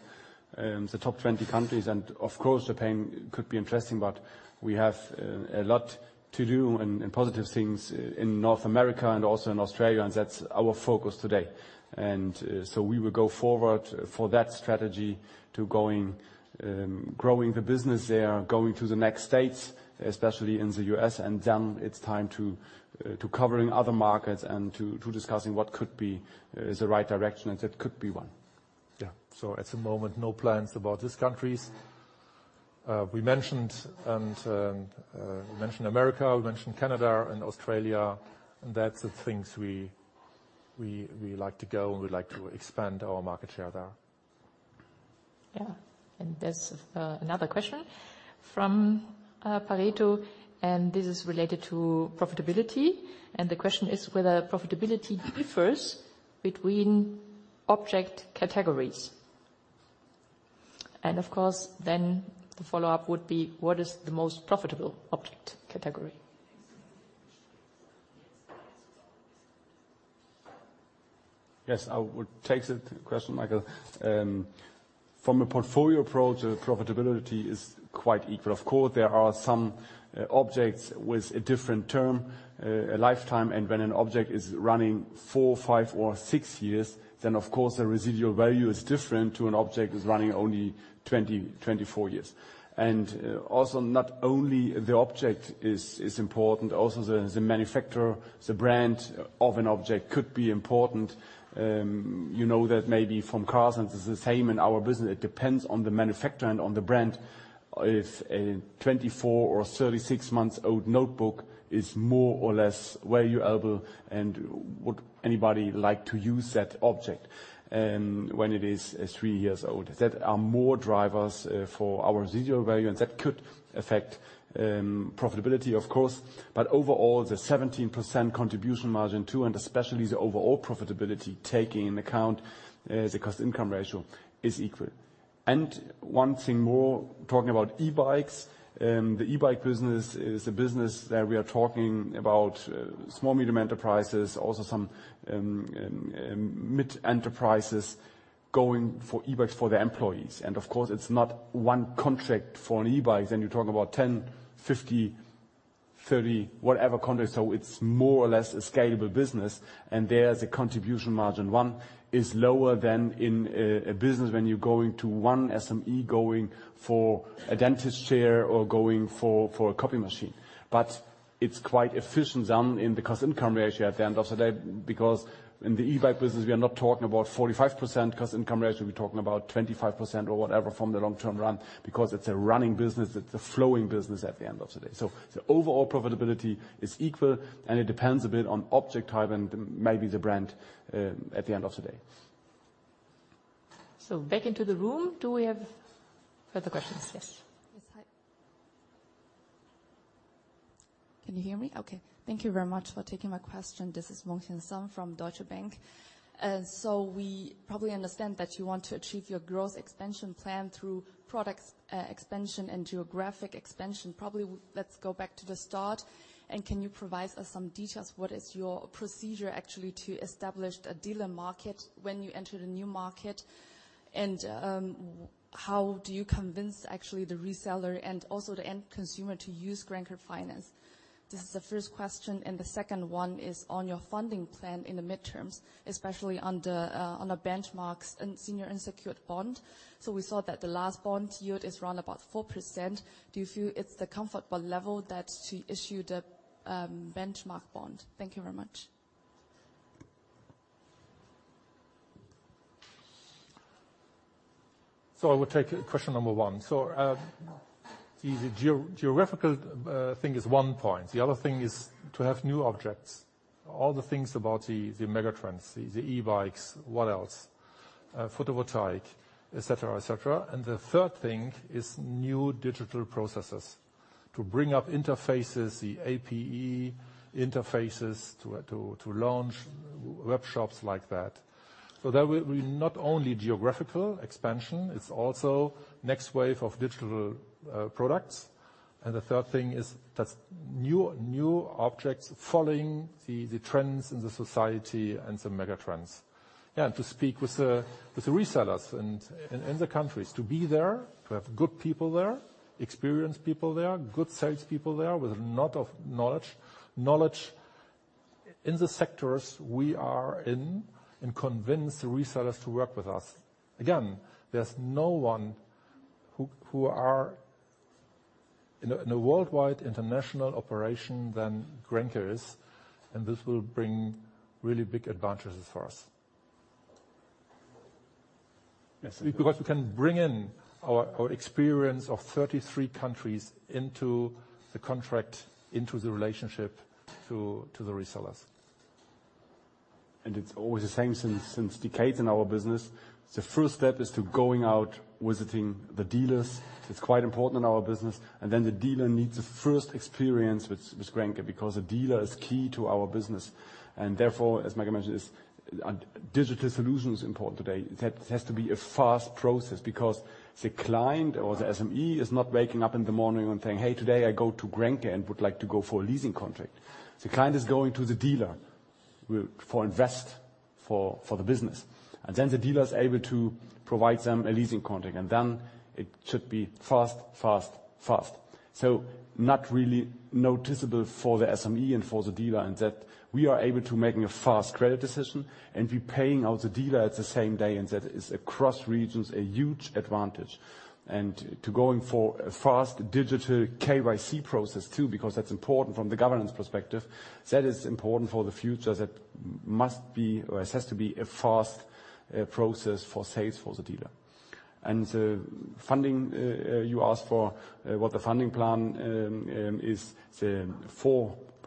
the top 20 countries. Of course, Japan could be interesting, but we have a lot to do and positive things in North America and also in Australia, and that's our focus today. We will go forward for that strategy to growing the business there, going to the next states, especially in the U.S. Then it's time to covering other markets and to discussing what could be is the right direction, and that could be one. Yeah. At the moment, no plans about these countries. We mentioned America, Canada and Australia, and that's the things we like to go, and we like to expand our market share there. Yeah. There's another question from Pareto, and this is related to profitability. The question is whether profitability differs between object categories. Of course, then the follow-up would be, what is the most profitable object category? Yes, I would take the question, Michael. From a portfolio approach, the profitability is quite equal. Of course, there are some objects with a different term lifetime. When an object is running four, five or six years, then of course the residual value is different to an object that's running only 20-24 months. Also not only the object is important, also the manufacturer, the brand of an object could be important. You know that maybe from cars, and this is the same in our business, it depends on the manufacturer and on the brand. If a 24 or 36 months old notebook is more or less valuable and would anybody like to use that object, when it is three years old. There are more drivers for our residual value, and that could affect profitability of course. Overall, the 17% Contribution Margin 2, and especially the overall profitability, taking into account the cost-income ratio, is equal. One thing more, talking about e-bikes. The e-bike business is a business that we are talking about small medium enterprises, also some mid enterprises going for e-bikes for their employees. Of course, it's not one contract for an e-bike. You talk about 10, 50, 30, whatever contracts. It's more or less a scalable business. There the Contribution Margin 1 is lower than in a business when you're going to one SME, going for a dentist chair or going for a copy machine. It's quite efficient then in the cost-income ratio at the end of the day, because in the e-bike business, we are not talking about 45% cost-income ratio. We're talking about 25% or whatever from the long-term run because it's a running business. It's a flowing business at the end of the day. The overall profitability is equal, and it depends a bit on object type and maybe the brand, at the end of the day. Back into the room. Do we have further questions? Yes. Yes, hi. Can you hear me? Okay. Thank you very much for taking my question. This is Mhong-Huy Song from Deutsche Bank. We probably understand that you want to achieve your growth expansion plan through products, expansion and geographic expansion. Probably let's go back to the start, and can you provide us some details, what is your procedure actually to establish the dealer market when you enter the new market? And how do you convince actually the reseller and also the end consumer to use Grenke Finance? This is the first question. The second one is on your funding plan in the midterms, especially on the benchmarks in senior unsecured bond. We saw that the last bond yield is around 4%. Do you feel it's the comfortable level that to issue the benchmark bond? Thank you very much. I will take question number one. The geographical thing is one point. The other thing is to have new objects. All the things about the megatrends, the e-bikes. What else? Photovoltaic, et cetera. The third thing is new digital processes to bring up interfaces, the API interfaces to launch web shops like that. That will be not only geographical expansion, it's also next wave of digital products. The third thing is that new objects following the trends in the society and the megatrends. Yeah, to speak with the resellers and in the countries to be there, to have good people there, experienced people there, good sales people there with a lot of knowledge in the sectors we are in, and convince resellers to work with us. Again, there's no one who is in a worldwide international operation than Grenke is, and this will bring really big advantages for us. Yes. Because we can bring in our experience of 33 countries into the contract, into the relationship to the resellers. It's always the same for decades in our business. The first step is to go out visiting the dealers. It's quite important in our business. The dealer needs the first experience with Grenke because a dealer is key to our business. Therefore, as Michael mentioned this digital solution is important today. That has to be a fast process because the client or the SME is not waking up in the morning and saying, "Hey, today I go to Grenke and would like to go for a leasing contract." The client is going to the dealer for an investment for the business, and then the dealer is able to provide them a leasing contract, and then it should be fast. Not really noticeable for the SME and for the dealer, and that we are able to make a fast credit decision and we pay out the dealer at the same day, and that is across regions a huge advantage. To go for a fast digital KYC process too, because that's important from the governance perspective. That is important for the future. That must be or it has to be a fast process for sales for the dealer. The funding you asked for, what the funding plan is the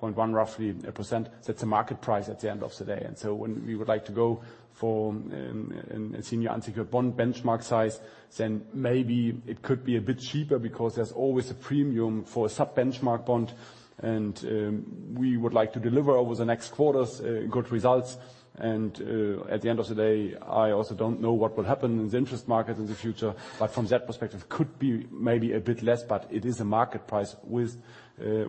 4.1%, roughly. That's a market price at the end of the day. When we would like to go for a senior unsecured bond benchmark size, then maybe it could be a bit cheaper because there's always a premium for a sub-benchmark bond and we would like to deliver over the next quarters good results. At the end of the day, I also don't know what will happen in the interest market in the future. From that perspective, could be maybe a bit less. It is a market price with a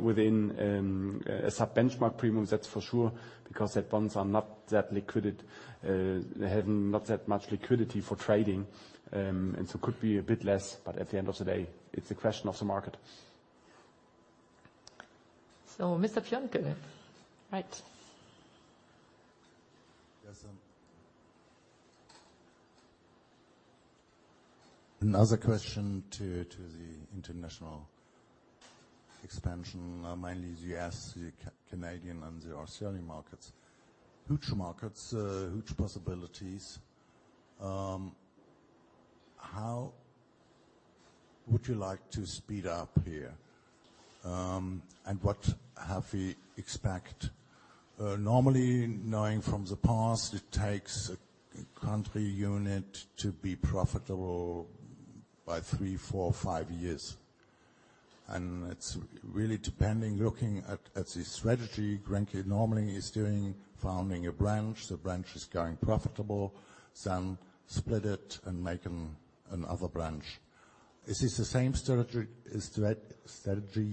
sub-benchmark premium, that's for sure, because those bonds are not that liquid, they have not that much liquidity for trading. Could be a bit less, but at the end of the day, it's a question of the market. Mr. Piontke. Right. Yes. Another question to the international expansion, mainly U.S., Canadian and the Australian markets. Huge markets, huge possibilities. How would you like to speed up here? What have we expect? Normally knowing from the past, it takes a country unit to be profitable by three-five years, and it's really depending looking at the strategy Grenke normally is doing, founding a branch, the branch is going profitable, then split it and make another branch. Is this the same strategy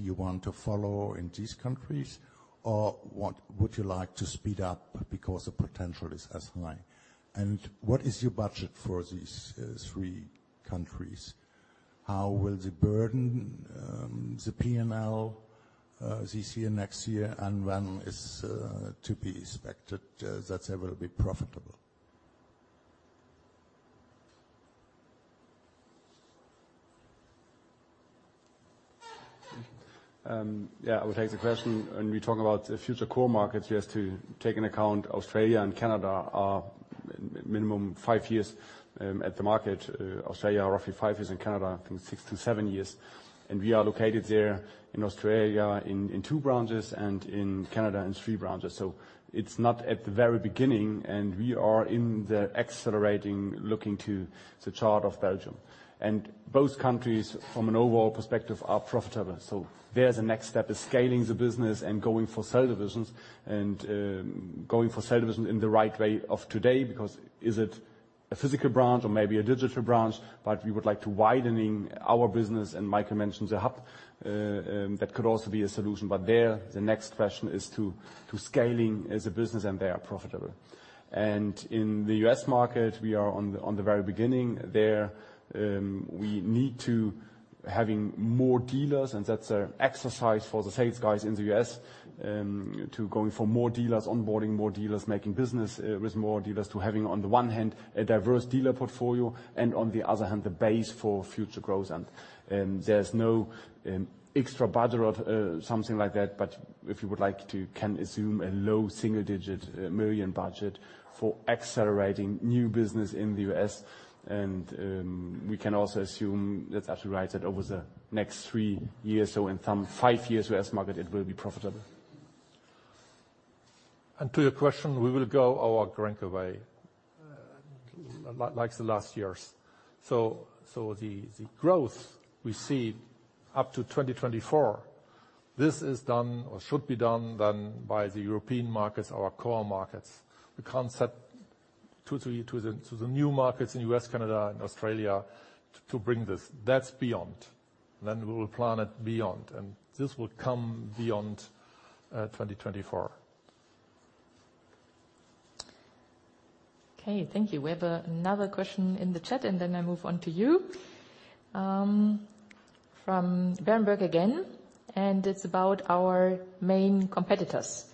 you want to follow in these countries? Or what would you like to speed up because the potential is as high? What is your budget for these three countries? How will the burden the P&L this year, next year and when is to be expected that they will be profitable? Yeah, I will take the question. When we talk about future core markets, we have to take into account Australia and Canada are minimum five years in the market. Australia roughly five years, and Canada, I think six-seven years. We are located there in Australia in two branches, and in Canada in three branches. It's not at the very beginning, and we are in the accelerating looking to the chart of Belgium. Both countries, from an overall perspective, are profitable, there the next step is scaling the business and going for subdivisions. Going for subdivisions in the right way of today because is it a physical branch or maybe a digital branch? We would like to widening our business, and Mike mentioned the hub. That could also be a solution. There, the next question is to scaling as a business, and they are profitable. In the U.S. market, we are on the very beginning there. We need to having more dealers, and that's an exercise for the sales guys in the U.S., to going for more dealers, onboarding more dealers, making business with more dealers to having, on the one hand, a diverse dealer portfolio and, on the other hand, the base for future growth. There's no extra budget or something like that, but if you would like to, can assume a low single-digit million EUR budget for accelerating new business in the U.S. We can also assume that arrives at over the next three to five years, so in some 5 years U.S. market it will be profitable. To your question, we will go our Grenke way, like the last years. The growth we see up to 2024, this is done or should be done then by the European markets, our core markets. We can't set to the new markets in U.S., Canada and Australia to bring this. That's beyond. We will plan it beyond, and this will come beyond 2024. Okay, thank you. We have another question in the chat, and then I move on to you. From Berenberg again, and it's about our main competitors,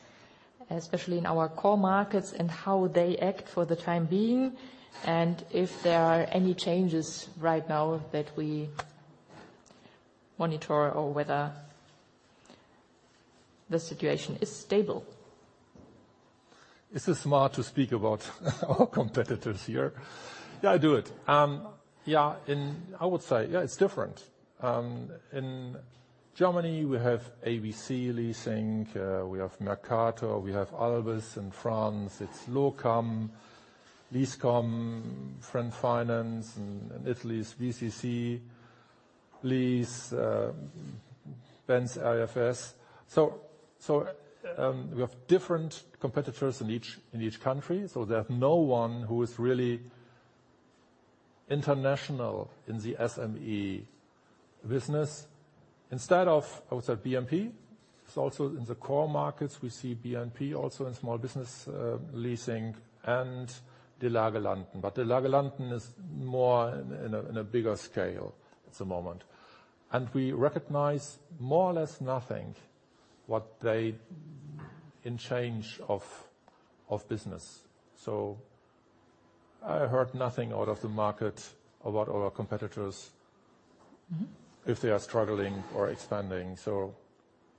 especially in our core markets and how they act for the time being, and if there are any changes right now that we monitor or whether the situation is stable. Is it smart to speak about our competitors here? Yeah, I do it. Yeah. I would say, yeah, it's different. In Germany we have abcfinance. We have Mercator-Leasing. We have ALBIS Leasing. In France it's LOCAM, Leasecom, Franfinance. In Italy it's BCC Lease, Banca IFIS. We have different competitors in each country, so there's no one who is really international in the SME business. Instead of, I would say BNP. It's also in the core markets we see BNP also in small business leasing and De Lage Landen. But De Lage Landen is more in a bigger scale at the moment. We recognize more or less nothing what they in change of business. I heard nothing out of the market about our competitors. Mm-hmm If they are struggling or expanding.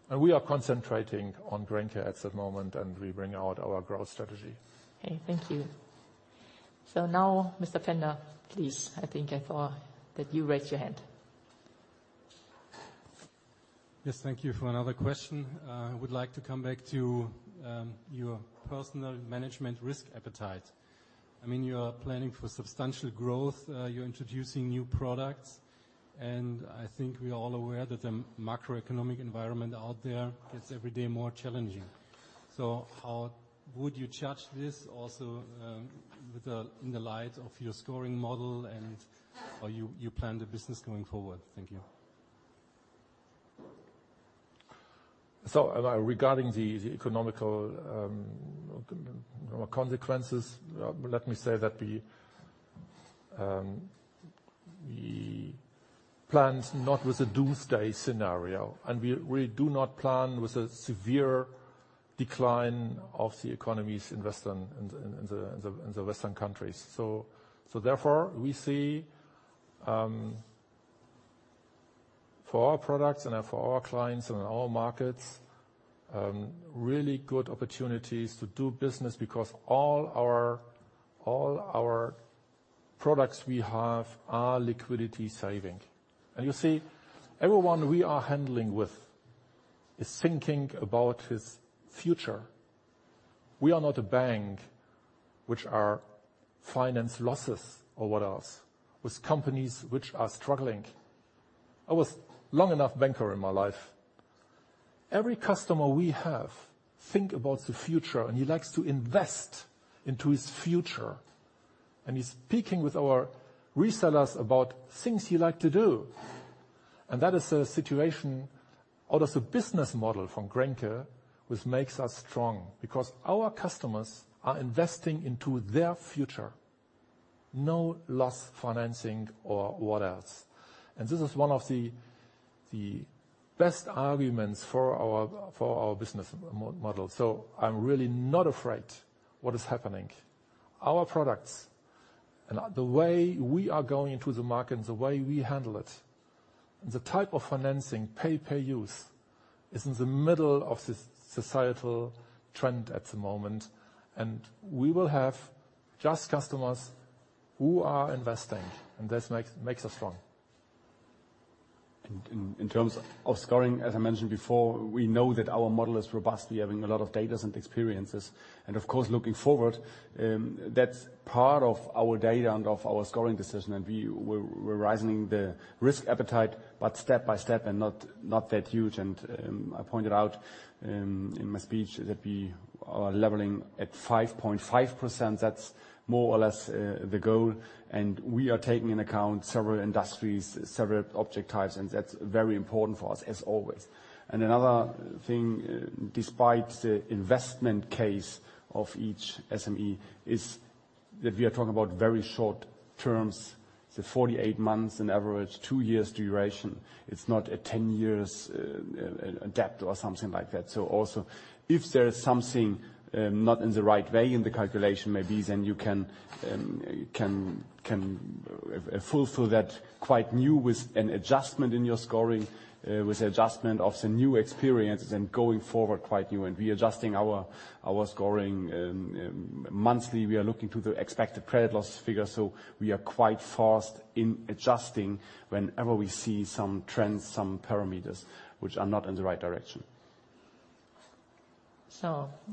We are concentrating on Grenke at the moment, and we bring out our growth strategy. Okay, thank you. Now, Mr. Pfänder, please. I think I saw that you raised your hand. Yes. Thank you for another question. I would like to come back to your personal management risk appetite. I mean, you are planning for substantial growth. You're introducing new products, and I think we are all aware that the macroeconomic environment out there gets every day more challenging. How would you judge this also, with the, in the light of your scoring model and how you plan the business going forward? Thank you. Regarding the economic consequences, let me say that we planned not with a doomsday scenario, and we do not plan with a severe decline of the western economy in the western countries. Therefore, we see for our products and then for our clients and our markets really good opportunities to do business because all our products we have are liquidity saving. And you see, everyone we are handling with is thinking about his future. We are not a bank which finances losses or what else, with companies which are struggling. I was long enough banker in my life. Every customer we have think about the future, and he likes to invest into his future, and he's speaking with our resellers about things he like to do. That is a situation out of the business model from Grenke which makes us strong because our customers are investing into their future. No loss financing or what else. This is one of the best arguments for our business model. I'm really not afraid what is happening. Our products, the way we are going into the market and the way we handle it, and the type of financing pay-per-use is in the middle of this societal trend at the moment. We will have customers who are investing, and this makes us strong. In terms of scoring, as I mentioned before, we know that our model is robust. We are having a lot of data and experiences. Of course, looking forward, that's part of our data and of our scoring decision, and we're rising the risk appetite, but step by step and not that huge. I pointed out in my speech that we are leveling at 5.5%. That's more or less the goal, and we are taking into account several industries, several object types, and that's very important for us as always. Another thing, despite the investment case of each SME, is that we are talking about very short terms. The 48 months on average, two years duration. It's not a 10 years debt or something like that. Also, if there is something not in the right way in the calculation maybe, then you can fulfill that quickly with an adjustment in your scoring, with adjustment of the new experiences and going forward quickly. We are adjusting our scoring monthly. We are looking to the expected credit loss figure, so we are quite fast in adjusting whenever we see some trends, some parameters which are not in the right direction.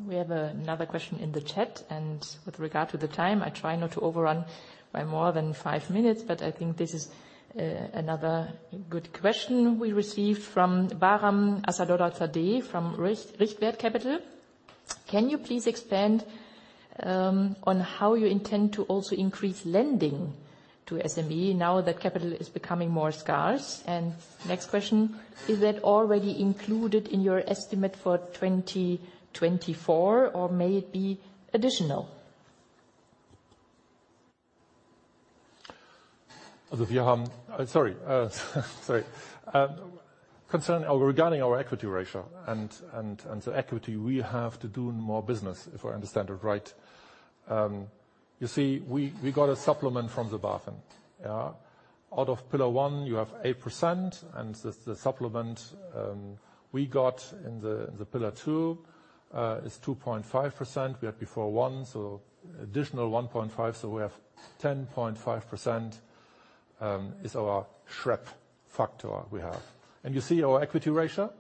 We have another question in the chat. With regard to the time, I try not to overrun by more than five minutes, but I think this is another good question we received from Bahram Assadollahzadeh from Richtwert Capital AG. Can you please expand on how you intend to also increase lending to SME now that capital is becoming more scarce? Next question: Is that already included in your estimate for 2024 or may it be additional? Regarding our equity ratio and so equity, we have to do more business, if I understand it right. You see, we got a supplement from the BaFin, yeah. Out of Pillar 1, you have 8%, and the supplement we got in the Pillar 2 is 2.5%. We had before 1%, so additional 1.5%. We have 10.5% is our SREP factor we have. You see our equity ratio.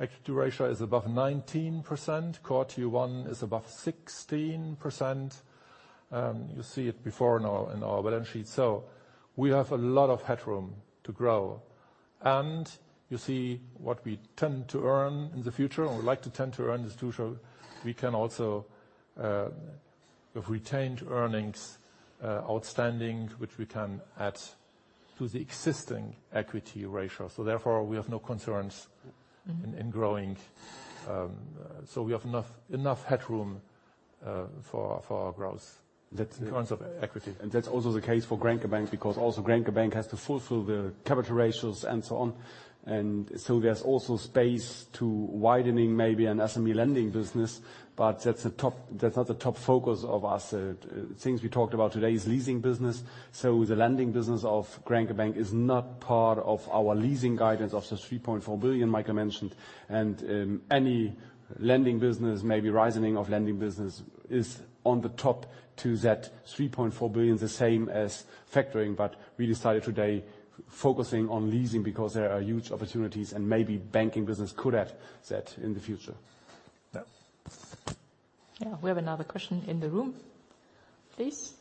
Equity ratio is above 19%. Core Tier 1 is above 16%. You see it before in our balance sheet. We have a lot of headroom to grow. You see what we tend to earn in the future, or like to tend to earn in the future. We can also, if we change earnings outstanding, which we can add to the existing equity ratio. Therefore, we have no concerns in growing, so we have enough headroom for our growth. In terms of equity. That's also the case for Grenke Bank, because Grenke Bank has to fulfill the coverage ratios and so on. There's also space to widening maybe an SME lending business, but that's not the top focus of us. Things we talked about today is leasing business. The lending business of Grenke Bank is not part of our leasing guidance of the 3.4 billion Michael mentioned. Any lending business may be rising of lending business is on the top to that 3.4 billion, the same as factoring. We decided today focusing on leasing because there are huge opportunities and maybe banking business could add that in the future. Yeah. Yeah. We have another question in the room, please.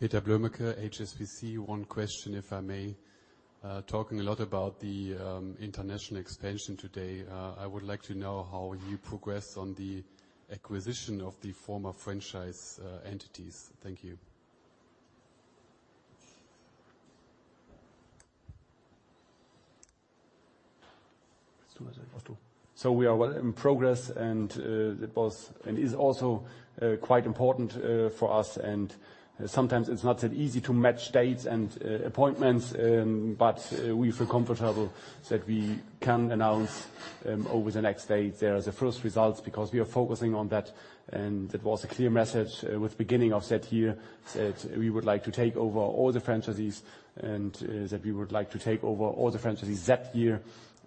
Peter Blömeke, HSBC. One question, if I may. Talking a lot about the international expansion today, I would like to know how you progress on the acquisition of the former franchise entities. Thank you. We are well in progress and that was and is also quite important for us. Sometimes it's not that easy to match dates and appointments. We feel comfortable that we can announce over the next days. There is the first results because we are focusing on that, and that was a clear message with beginning of that year, that we would like to take over all the franchisees and that we would like to take over all the franchisees that year.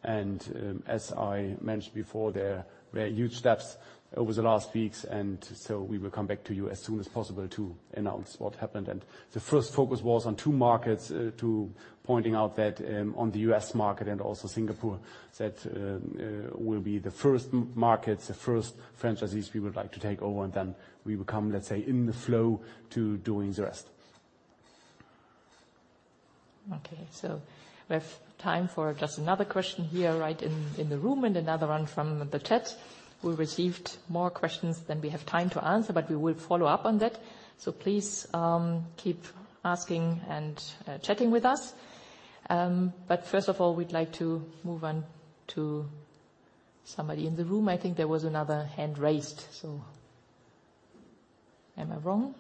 As I mentioned before, there were huge steps over the last weeks, and so we will come back to you as soon as possible to announce what happened. The first focus was on two markets, pointing out that on the U.S. market and also Singapore. That will be the first markets, the first franchisees we would like to take over, and then we will come, let's say, in the flow to doing the rest. Okay. We have time for just another question here, right in the room and another one from the chat. We received more questions than we have time to answer, but we will follow up on that. Please keep asking and chatting with us. First of all, we'd like to move on to somebody in the room. I think there was another hand raised. Am I wrong?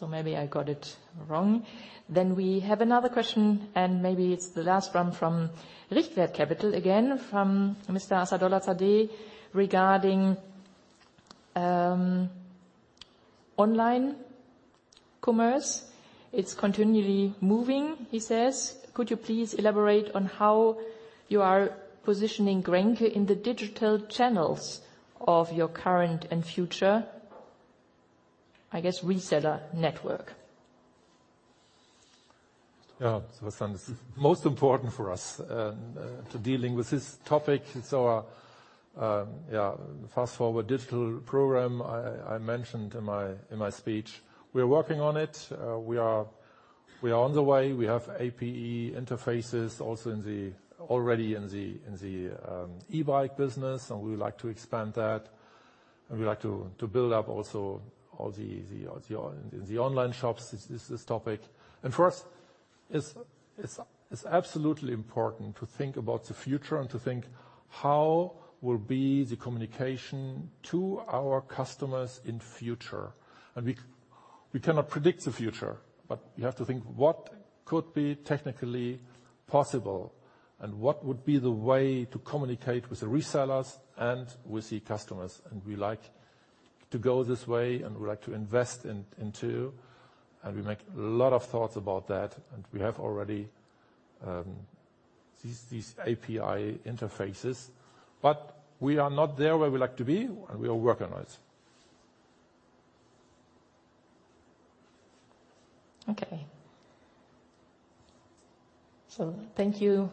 Maybe I got it wrong. We have another question, and maybe it's the last one from Richtwert Capital again, from Mr. Assadollahzadeh, regarding online commerce. It's continually moving, he says. Could you please elaborate on how you are positioning Grenke in the digital channels of your current and future, I guess, reseller network? First, this is most important for us to dealing with this topic. Fast Forward Digital program I mentioned in my speech. We're working on it. We are on the way. We have API interfaces also already in the e-bike business, and we would like to expand that, and we like to build up also all the online shops. This topic. For us it's absolutely important to think about the future and to think how will be the communication to our customers in future. We cannot predict the future, but we have to think what could be technically possible and what would be the way to communicate with the resellers and with the customers. We like to go this way, and we like to invest into, and we make a lot of thoughts about that. We have already these API interfaces. We are not there where we like to be, and we will work on it. Okay. Thank you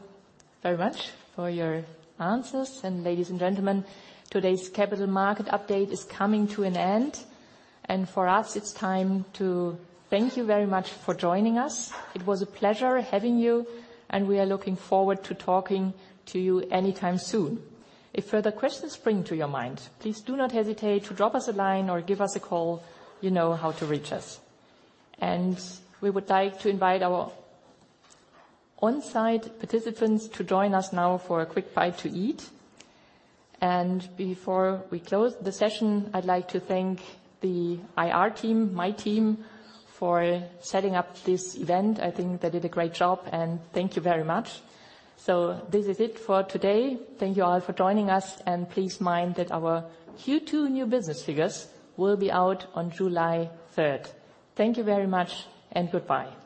very much for your answers. Ladies and gentlemen, today's capital market update is coming to an end, and for us, it's time to thank you very much for joining us. It was a pleasure having you, and we are looking forward to talking to you anytime soon. If further questions bring to your mind, please do not hesitate to drop us a line or give us a call. You know how to reach us. We would like to invite our on-site participants to join us now for a quick bite to eat. Before we close the session, I'd like to thank the IR team, my team, for setting up this event. I think they did a great job, and thank you very much. This is it for today. Thank you all for joining us, and please mind that our Q2 new business figures will be out on July 3rd. Thank you very much and goodbye.